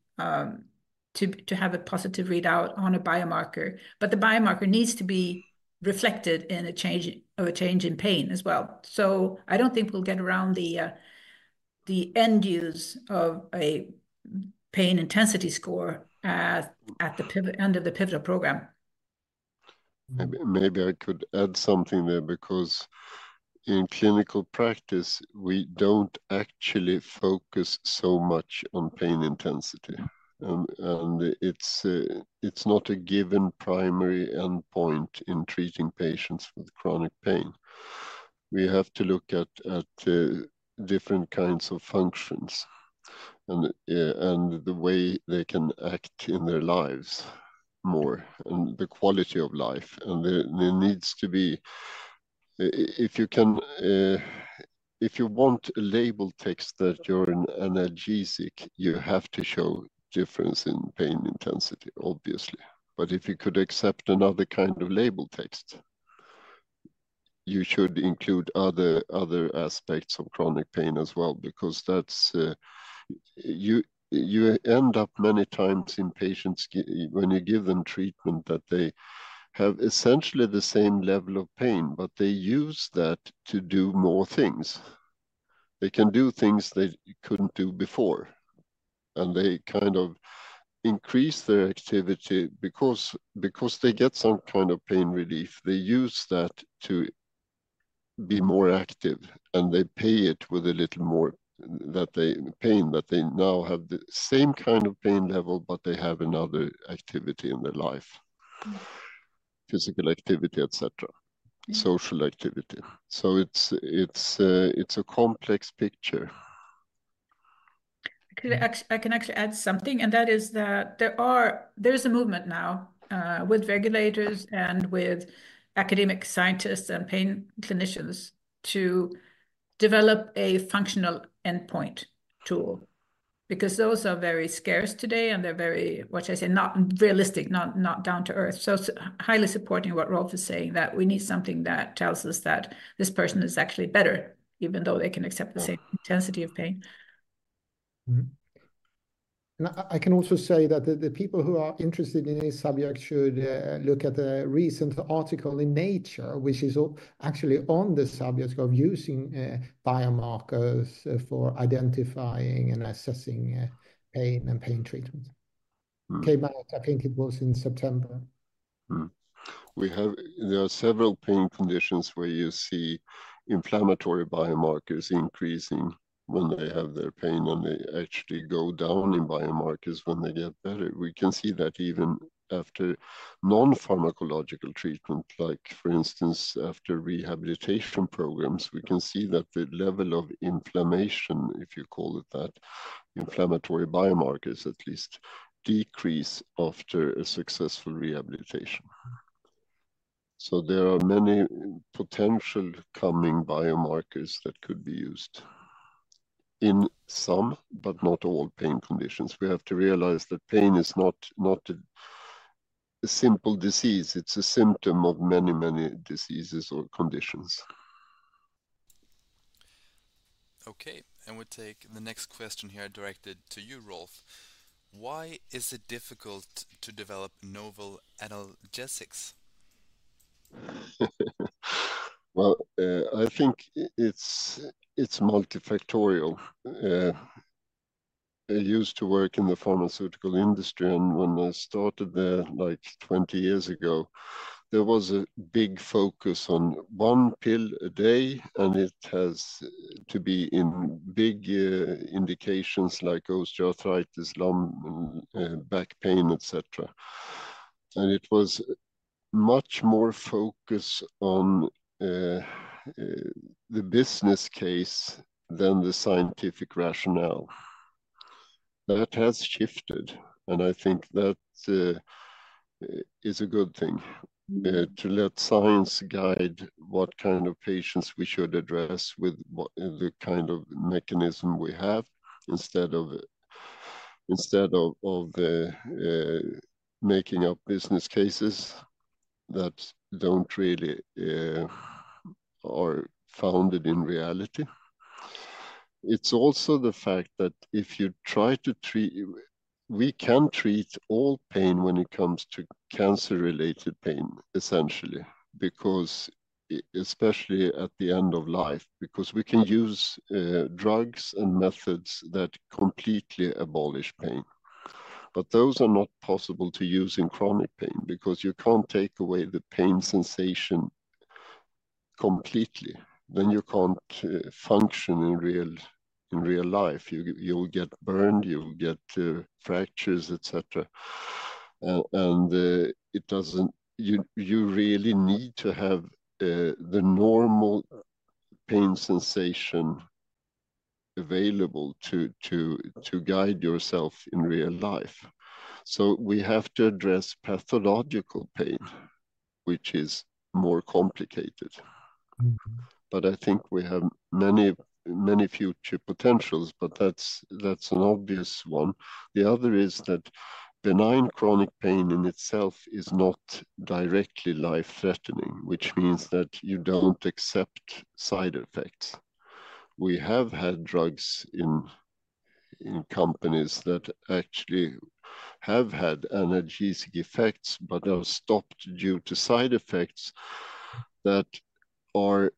to have a positive readout on a biomarker, but the biomarker needs to be reflected in a change of a change in pain as well. So I don't think we'll get around the end use of a pain intensity score at the end of the pivotal program. Maybe, maybe I could add something there, because in clinical practice, we don't actually focus so much on pain intensity. And it's not a given primary endpoint in treating patients with chronic pain. We have to look at different kinds of functions and the way they can act in their lives more, and the quality of life. And there needs to be. If you can, if you want a label text that you're an analgesic, you have to show difference in pain intensity, obviously. But if you could accept another kind of label text, you should include other aspects of chronic pain as well, because that's you end up many times in patients when you give them treatment, that they have essentially the same level of pain, but they use that to do more things. They can do things they couldn't do before, and they kind of increase their activity because they get some kind of pain relief. They use that to be more active, and they pay it with a little more, that they pain, but they now have the same kind of pain level, but they have another activity in their life, physical activity, et cetera, social activity. So it's a complex picture. I can actually add something, and that is that there are there's a movement now with regulators and with academic scientists and pain clinicians to develop a functional endpoint tool, because those are very scarce today, and they're very, what should I say, not realistic, not down to earth. So it's highly supporting what Rolf is saying, that we need something that tells us that this person is actually better, even though they can accept the same intensity of pain. Mm-hmm. I can also say that the people who are interested in this subject should look at the recent article in Nature, which is actually on the subject of using biomarkers for identifying and assessing pain and pain treatment. Mm. Came out, I think it was in September. There are several pain conditions where you see inflammatory biomarkers increasing when they have their pain, and they actually go down in biomarkers when they get better. We can see that even after non-pharmacological treatment, like, for instance, after rehabilitation programs, we can see that the level of inflammation, if you call it that, inflammatory biomarkers at least, decrease after a successful rehabilitation. So there are many potential coming biomarkers that could be used in some, but not all, pain conditions. We have to realize that pain is not a simple disease. It's a symptom of many, many diseases or conditions. Okay, and we take the next question here directed to you, Rolf: Why is it difficult to develop novel analgesics? I think it's multifactorial. I used to work in the pharmaceutical industry, and when I started there, like twenty years ago, there was a big focus on one pill a day, and it has to be in big indications like osteoarthritis, lung, and back pain, et cetera. It was much more focus on the business case than the scientific rationale. That has shifted, and I think that is a good thing to let science guide what kind of patients we should address with what the kind of mechanism we have, instead of making up business cases that don't really are founded in reality. It's also the fact that if you try to treat... We can treat all pain when it comes to cancer-related pain, essentially, because especially at the end of life, because we can use drugs and methods that completely abolish pain. But those are not possible to use in chronic pain because you can't take away the pain sensation completely. Then you can't function in real life. You will get burned, you will get fractures, et cetera. It doesn't. You really need to have the normal pain sensation available to guide yourself in real life. So we have to address pathological pain, which is more complicated. Mm-hmm. But I think we have many, many future potentials, but that's, that's an obvious one. The other is that benign chronic pain in itself is not directly life-threatening, which means that you don't accept side effects. We have had drugs in companies that actually have had analgesic effects but are stopped due to side effects that are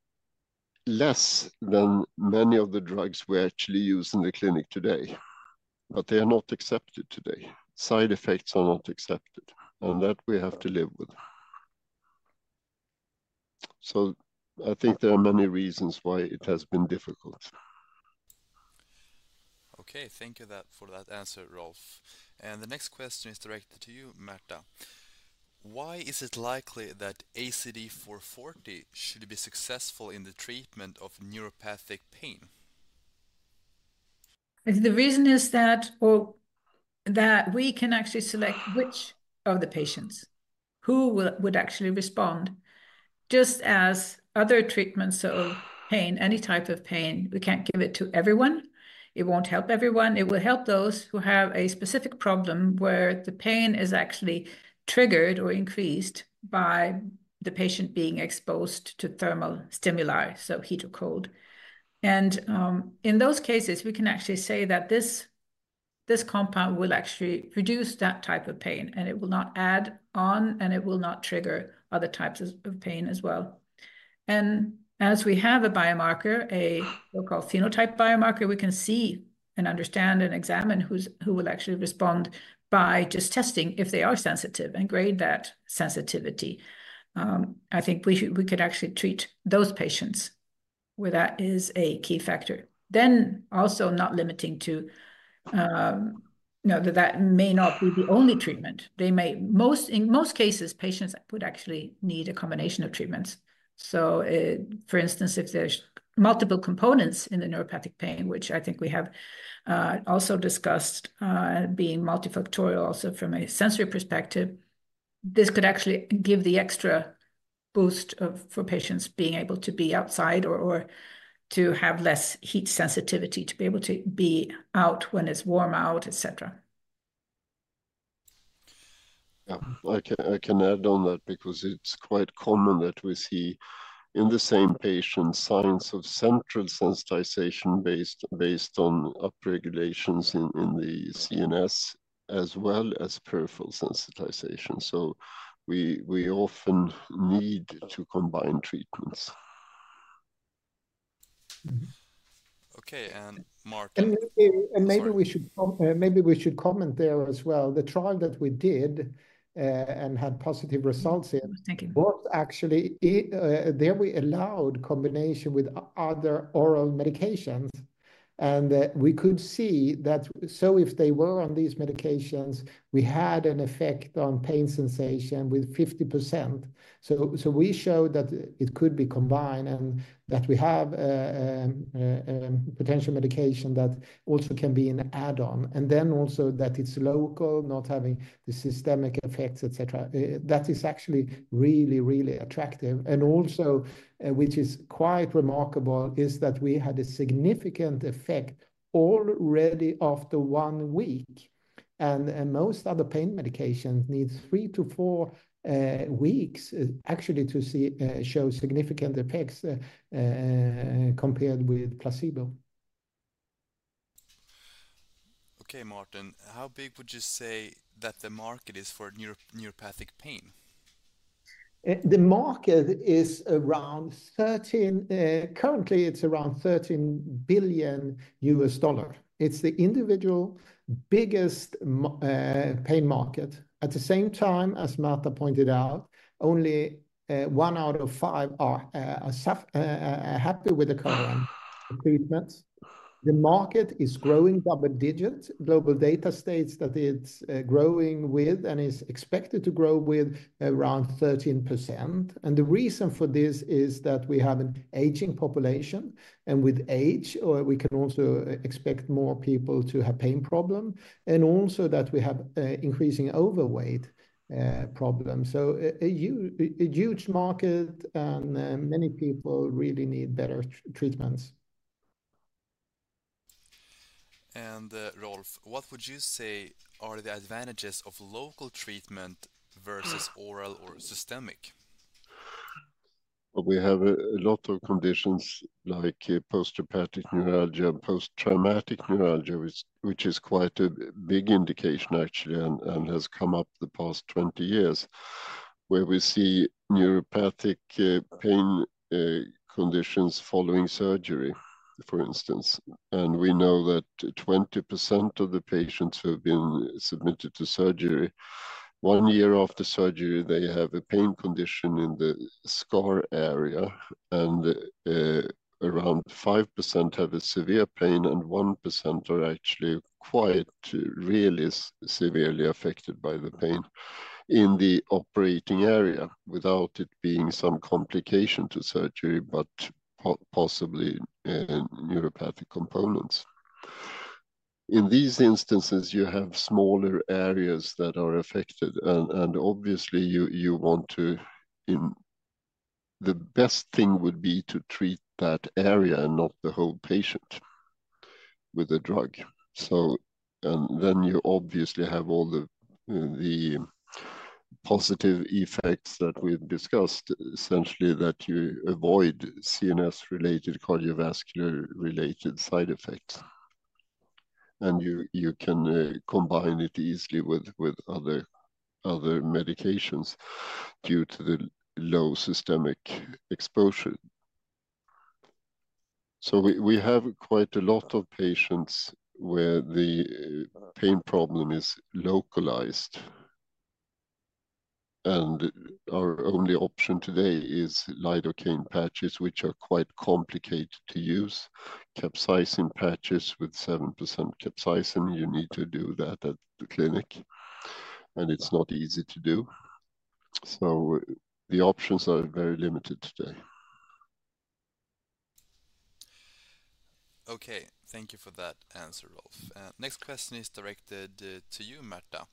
less than many of the drugs we actually use in the clinic today. But they are not accepted today. Side effects are not accepted, and that we have to live with. So I think there are many reasons why it has been difficult. Okay, thank you for that answer, Rolf. The next question is directed to you, Märta. Why is it likely that ACD440 should be successful in the treatment of neuropathic pain? The reason is that, well, that we can actually select which of the patients, who will, would actually respond, just as other treatments of pain, any type of pain, we can't give it to everyone. It won't help everyone. It will help those who have a specific problem where the pain is actually triggered or increased by the patient being exposed to thermal stimuli, so heat or cold. And in those cases, we can actually say that this, this compound will actually reduce that type of pain, and it will not add on, and it will not trigger other types of, of pain as well. And as we have a biomarker, a so-called phenotype biomarker, we can see and understand and examine who's, who will actually respond by just testing if they are sensitive, and grade that sensitivity. I think we could actually treat those patients where that is a key factor. Then also not limiting to, you know, that may not be the only treatment. They may, in most cases, patients would actually need a combination of treatments. So, for instance, if there's multiple components in the neuropathic pain, which I think we have also discussed, being multifactorial also from a sensory perspective, this could actually give the extra boost of, for patients being able to be outside or, or to have less heat sensitivity, to be able to be out when it's warm out, et cetera. Yeah. I can add on that because it's quite common that we see in the same patient signs of central sensitization based on upregulations in the CNS, as well as peripheral sensitization. So we often need to combine treatments. Okay, and Martin- Maybe we should comment there as well. The trial that we did and had positive results in- Thank you... was actually, there we allowed combination with other oral medications, and we could see that. So if they were on these medications, we had an effect on pain sensation with 50%. So we showed that it could be combined, and that we have a potential medication that also can be an add-on, and then also that it's local, not having the systemic effects, et cetera. That is actually really, really attractive, and also, which is quite remarkable, is that we had a significant effect already after one week, and most other pain medications need three to four weeks, actually, to show significant effects, compared with placebo. Okay, Martin, how big would you say that the market is for neuropathic pain? The market is around 13, currently, it's around $13 billion. It's the individual biggest pain market. At the same time, as Martha pointed out, only one out of five are happy with the current treatments. The market is growing double digits. GlobalData states that it's growing with, and is expected to grow with around 13%. And the reason for this is that we have an aging population, and with age, we can also expect more people to have pain problem, and also that we have a increasing overweight problem. So a huge market, and many people really need better treatments. Rolf, what would you say are the advantages of local treatment versus oral or systemic? We have a lot of conditions like postoperative neuralgia, posttraumatic neuralgia, which is quite a big indication, actually, and has come up the past 20 years, where we see neuropathic pain conditions following surgery, for instance. We know that 20% of the patients who have been submitted to surgery, one year after surgery, they have a pain condition in the scar area, and around 5% have a severe pain, and 1% are actually quite severely affected by the pain in the operating area, without it being some complication to surgery, but possibly neuropathic components. In these instances, you have smaller areas that are affected, and obviously, you want to. The best thing would be to treat that area and not the whole patient with a drug. So, and then you obviously have all the positive effects that we've discussed, essentially, that you avoid CNS-related, cardiovascular-related side effects, and you can combine it easily with other medications due to the low systemic exposure. So we have quite a lot of patients where the pain problem is localized, and our only option today is lidocaine patches, which are quite complicated to use. Capsaicin patches with 7% capsaicin, you need to do that at the clinic, and it's not easy to do. So the options are very limited today. Okay, thank you for that answer, Rolf. Next question is directed to you, Märta.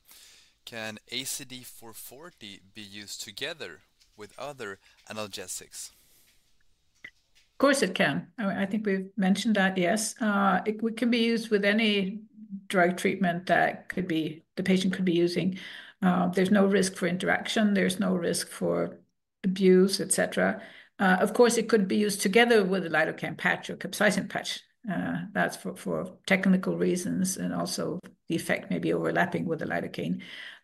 Can ACD-four forty be used together with other analgesics? Of course, it can. I think we've mentioned that, yes. It can be used with any drug treatment that could be, the patient could be using. There's no risk for interaction, there's no risk for abuse, et cetera. Of course, it could be used together with a lidocaine patch or capsaicin patch. That's for technical reasons, and also the effect may be overlapping with the lidocaine.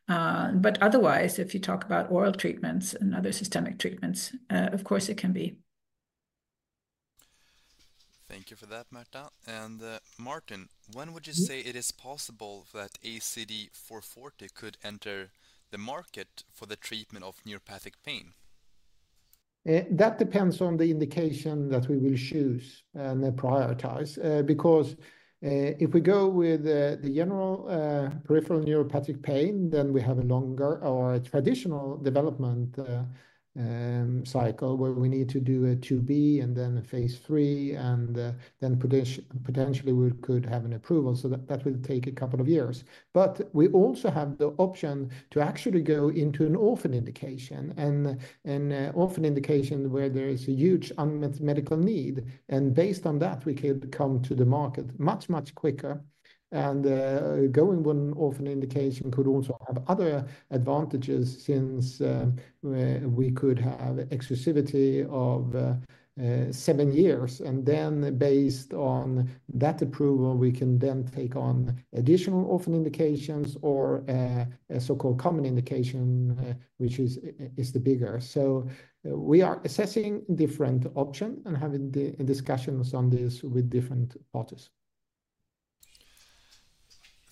But otherwise, if you talk about oral treatments and other systemic treatments, of course, it can be-... Thank you for that, Märta. And, Martin, when would you say it is possible that ACD-four forty could enter the market for the treatment of neuropathic pain? That depends on the indication that we will choose and then prioritize. Because, if we go with, the general, peripheral neuropathic pain, then we have a longer or a traditional development, cycle, where we need to do a phase IIb and then a phase 3, and, then potentially, we could have an approval. So that will take a couple of years. But we also have the option to actually go into an orphan indication, and an orphan indication where there is a huge unmet medical need, and based on that, we could come to the market much quicker. And, going for an orphan indication could also have other advantages since, we could have exclusivity of, seven years. And then based on that approval, we can then take on additional orphan indications or a so-called common indication, which is the bigger. So we are assessing different options and having the discussions on this with different parties.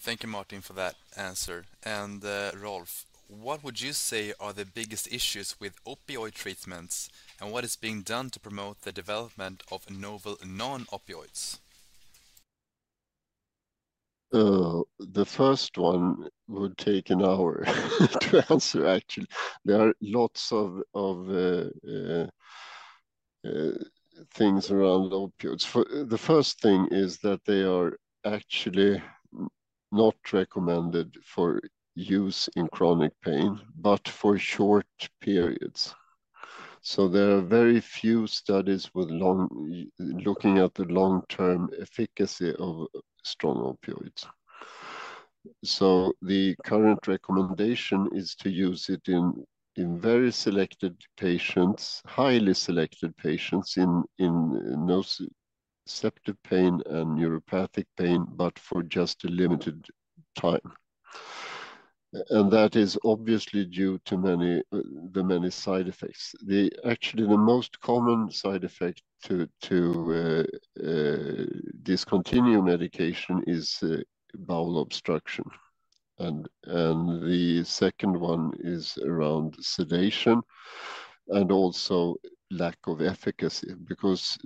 Thank you, Martin, for that answer. And, Rolf, what would you say are the biggest issues with opioid treatments, and what is being done to promote the development of novel non-opioids? The first one would take an hour to answer, actually. There are lots of things around opioids. The first thing is that they are actually not recommended for use in chronic pain, but for short periods. So there are very few studies with long... Looking at the long-term efficacy of strong opioids. So the current recommendation is to use it in very selected patients, highly selected patients in nociceptive pain and neuropathic pain, but for just a limited time, and that is obviously due to the many side effects. Actually, the most common side effect to discontinue medication is bowel obstruction, and the second one is around sedation and also lack of efficacy. Because,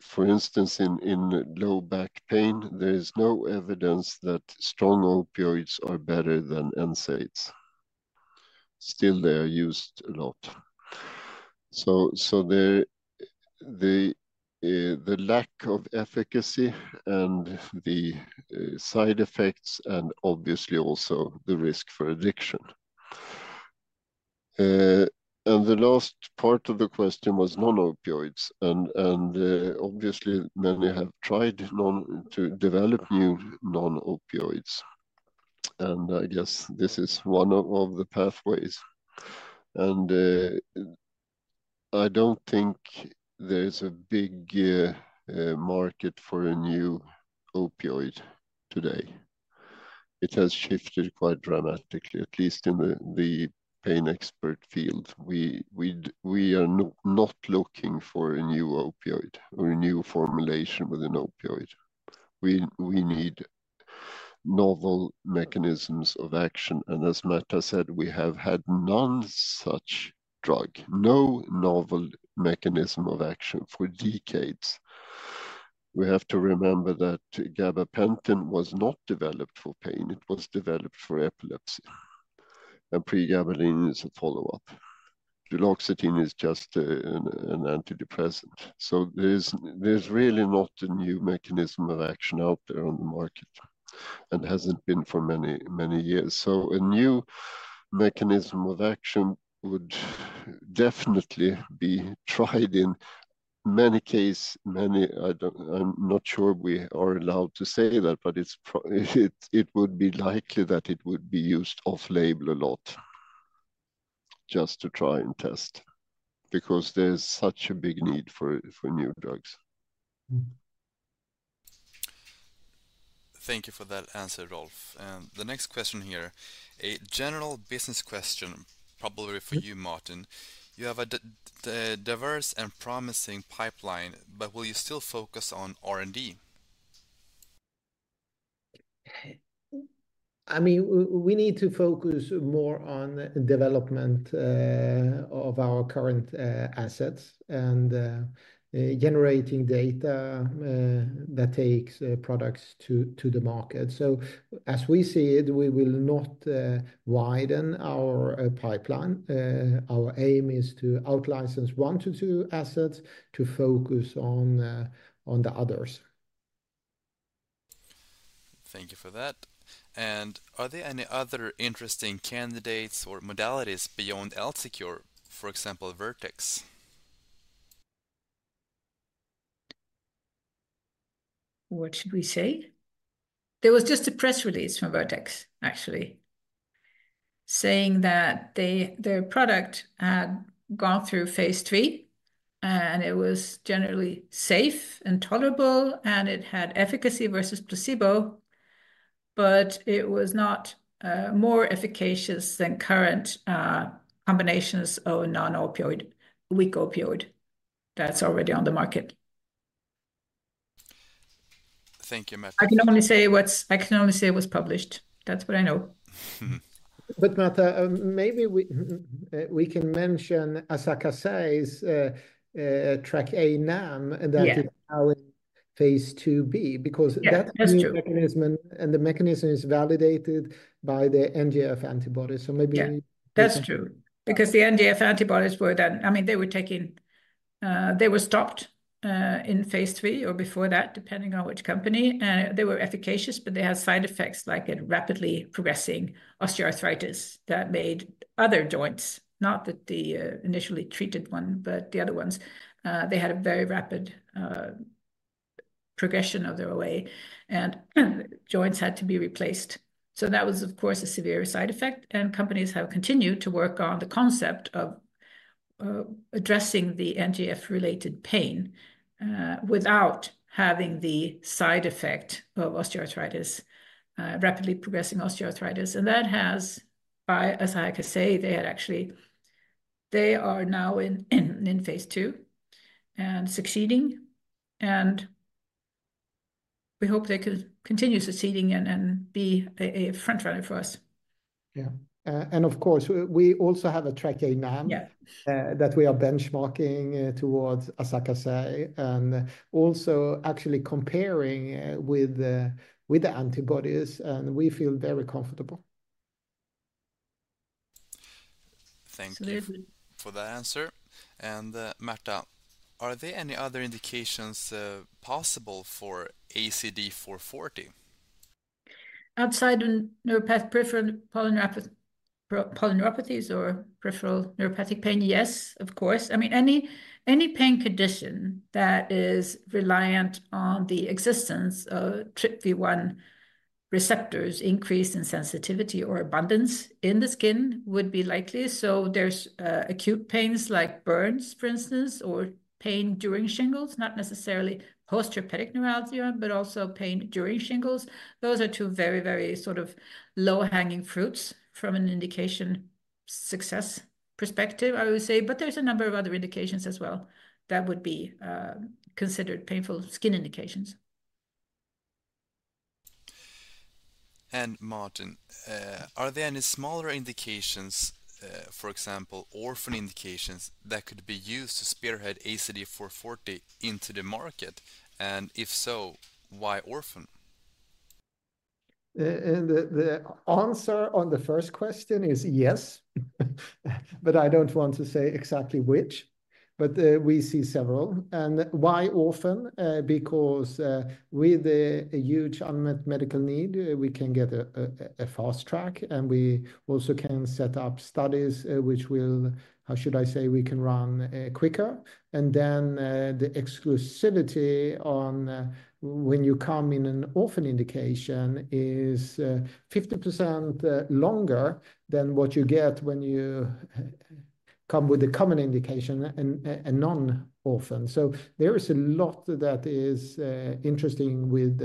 for instance, in low back pain, there is no evidence that strong opioids are better than NSAIDs. Still, they are used a lot. So, the lack of efficacy and the side effects, and obviously also the risk for addiction. And the last part of the question was non-opioids, and obviously, many have tried to develop new non-opioids, and I guess this is one of the pathways. I don't think there is a big market for a new opioid today. It has shifted quite dramatically, at least in the pain expert field. We are not looking for a new opioid or a new formulation with an opioid. We need novel mechanisms of action, and as Märta said, we have had none such drug, no novel mechanism of action for decades. We have to remember that gabapentin was not developed for pain, it was developed for epilepsy, and pregabalin is a follow-up. Duloxetine is just an antidepressant. So there's really not a new mechanism of action out there on the market and hasn't been for many, many years. So a new mechanism of action would definitely be tried in many cases. I don't know if we are allowed to say that, but it's probably it would be likely that it would be used off-label a lot just to try and test, because there's such a big need for new drugs. Thank you for that answer, Rolf. And the next question here, a general business question, probably for you, Martin. You have a diverse and promising pipeline, but will you still focus on R&D? I mean, we need to focus more on development of our current assets and generating data that takes products to the market. So as we see it, we will not widen our pipeline. Our aim is to out-license one to two assets to focus on the others. Thank you for that, and are there any other interesting candidates or modalities beyond L-SECURE, for example, Vertex? What should we say? There was just a press release from Vertex, actually, saying that they, their product had gone through phase III, and it was generally safe and tolerable, and it had efficacy versus placebo, but it was not more efficacious than current combinations of non-opioid, weak opioid that's already on the market. Thank you, Märta. I can only say it was published. That's what I know. Mm-hmm. But Märta, maybe we can mention Asahi Kasei's TrkA NAM- Yeah that is now in phase two B, because Yeah, that's true. that mechanism, and the mechanism is validated by the NGF antibodies. So maybe- Yeah, that's true. Because the NGF antibodies were done. I mean, they were stopped in phase three or before that, depending on which company, and they were efficacious, but they had side effects like a rapidly progressing osteoarthritis that made other joints, not that the initially treated one, but the other ones, they had a very rapid progression of their OA, and joints had to be replaced. So that was, of course, a severe side effect, and companies have continued to work on the concept of addressing the NGF-related pain without having the side effect of osteoarthritis, rapidly progressing osteoarthritis. And that has, by Asahi Kasei, they had actually. They are now in phase two and succeeding, and we hope they can continue succeeding and be a front runner for us. Yeah, and of course, we also have a TrkA NAM- Yeah... that we are benchmarking towards Asahi Kasei, and also actually comparing with the antibodies, and we feel very comfortable. Thank you- So they would. -for that answer. And, Märta, are there any other indications possible for ACD440? Outside of neuropathy, peripheral polyneuropathy, or polyneuropathies or peripheral neuropathic pain, yes, of course. I mean, any pain condition that is reliant on the existence of TRPV1 receptors, increase in sensitivity or abundance in the skin would be likely. So there's acute pains like burns, for instance, or pain during shingles, not necessarily postherpetic neuralgia, but also pain during shingles. Those are two very, very sort of low-hanging fruits from an indication success perspective, I would say. But there's a number of other indications as well that would be considered painful skin indications. And Martin, are there any smaller indications, for example, orphan indications, that could be used to spearhead ACD440 into the market? And if so, why orphan? And the answer on the first question is yes, but I don't want to say exactly which, but we see several. And why orphan? Because with a huge unmet medical need, we can get a fast track, and we also can set up studies which will, how should I say, we can run quicker. And then the exclusivity on when you come in an orphan indication is 50% longer than what you get when you come with a common indication and non-orphan. So there is a lot that is interesting with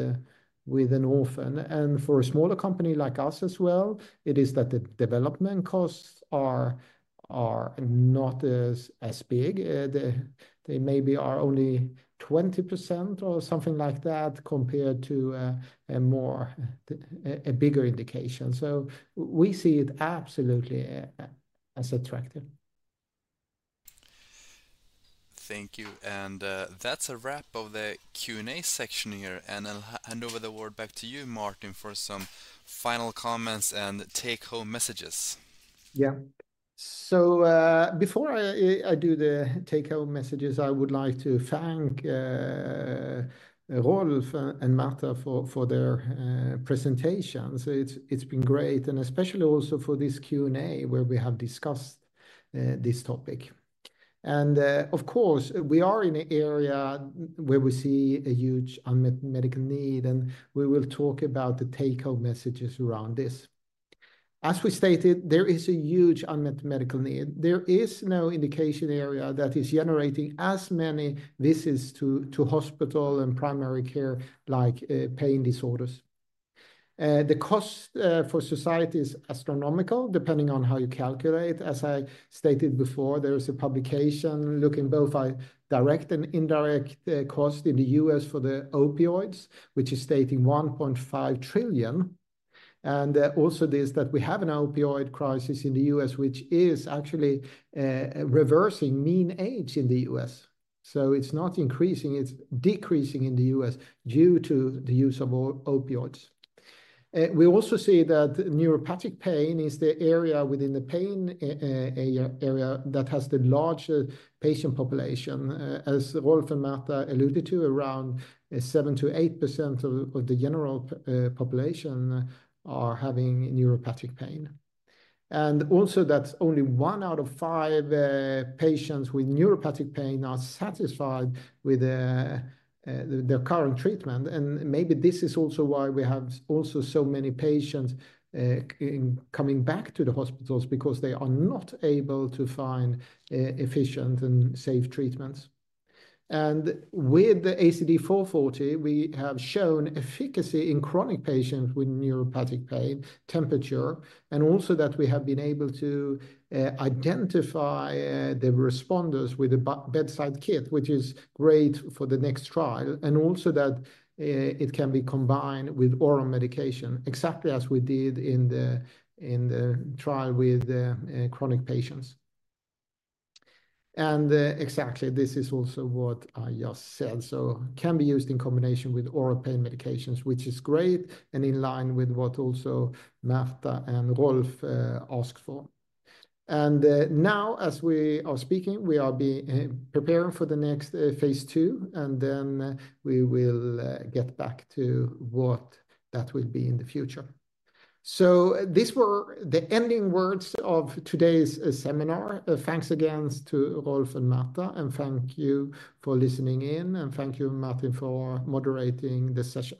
an orphan. And for a smaller company like us as well, it is that the development costs are not as big. They maybe are only 20% or something like that, compared to a bigger indication. So we see it absolutely as attractive. Thank you. And, that's a wrap of the Q&A section here. And I'll hand over the word back to you, Martin, for some final comments and take-home messages. Yeah. Before I do the take-home messages, I would like to thank Rolf and Märta for their presentations. It's been great, and especially also for this Q&A, where we have discussed this topic. Of course, we are in an area where we see a huge unmet medical need, and we will talk about the take-home messages around this. As we stated, there is a huge unmet medical need. There is no indication area that is generating as many visits to hospital and primary care like pain disorders. The cost for society is astronomical, depending on how you calculate. As I stated before, there is a publication looking both at direct and indirect cost in the U.S. for the opioids, which is stating $1.5 trillion. Also, it is that we have an opioid crisis in the U.S., which is actually reversing mean age in the U.S. So it's not increasing, it's decreasing in the U.S. due to the use of opioids. We also see that neuropathic pain is the area within the pain area that has the largest patient population. As Rolf and Märta alluded to, around 7%-8% of the general population are having neuropathic pain. And also, that's only one out of five patients with neuropathic pain are satisfied with their current treatment. And maybe this is also why we have also so many patients coming back to the hospitals because they are not able to find efficient and safe treatments. And with the ACD440, we have shown efficacy in chronic patients with neuropathic pain, temperature, and also that we have been able to identify the responders with a bedside kit, which is great for the next trial, and also that it can be combined with oral medication, exactly as we did in the trial with the chronic patients. And exactly, this is also what I just said. So it can be used in combination with oral pain medications, which is great and in line with what also Märta and Rolf asked for. And now, as we are speaking, we are preparing for the next phase two, and then we will get back to what that will be in the future. So these were the ending words of today's seminar. Thanks again to Rolf and Märta, and thank you for listening in, and thank you, Martin, for moderating this session.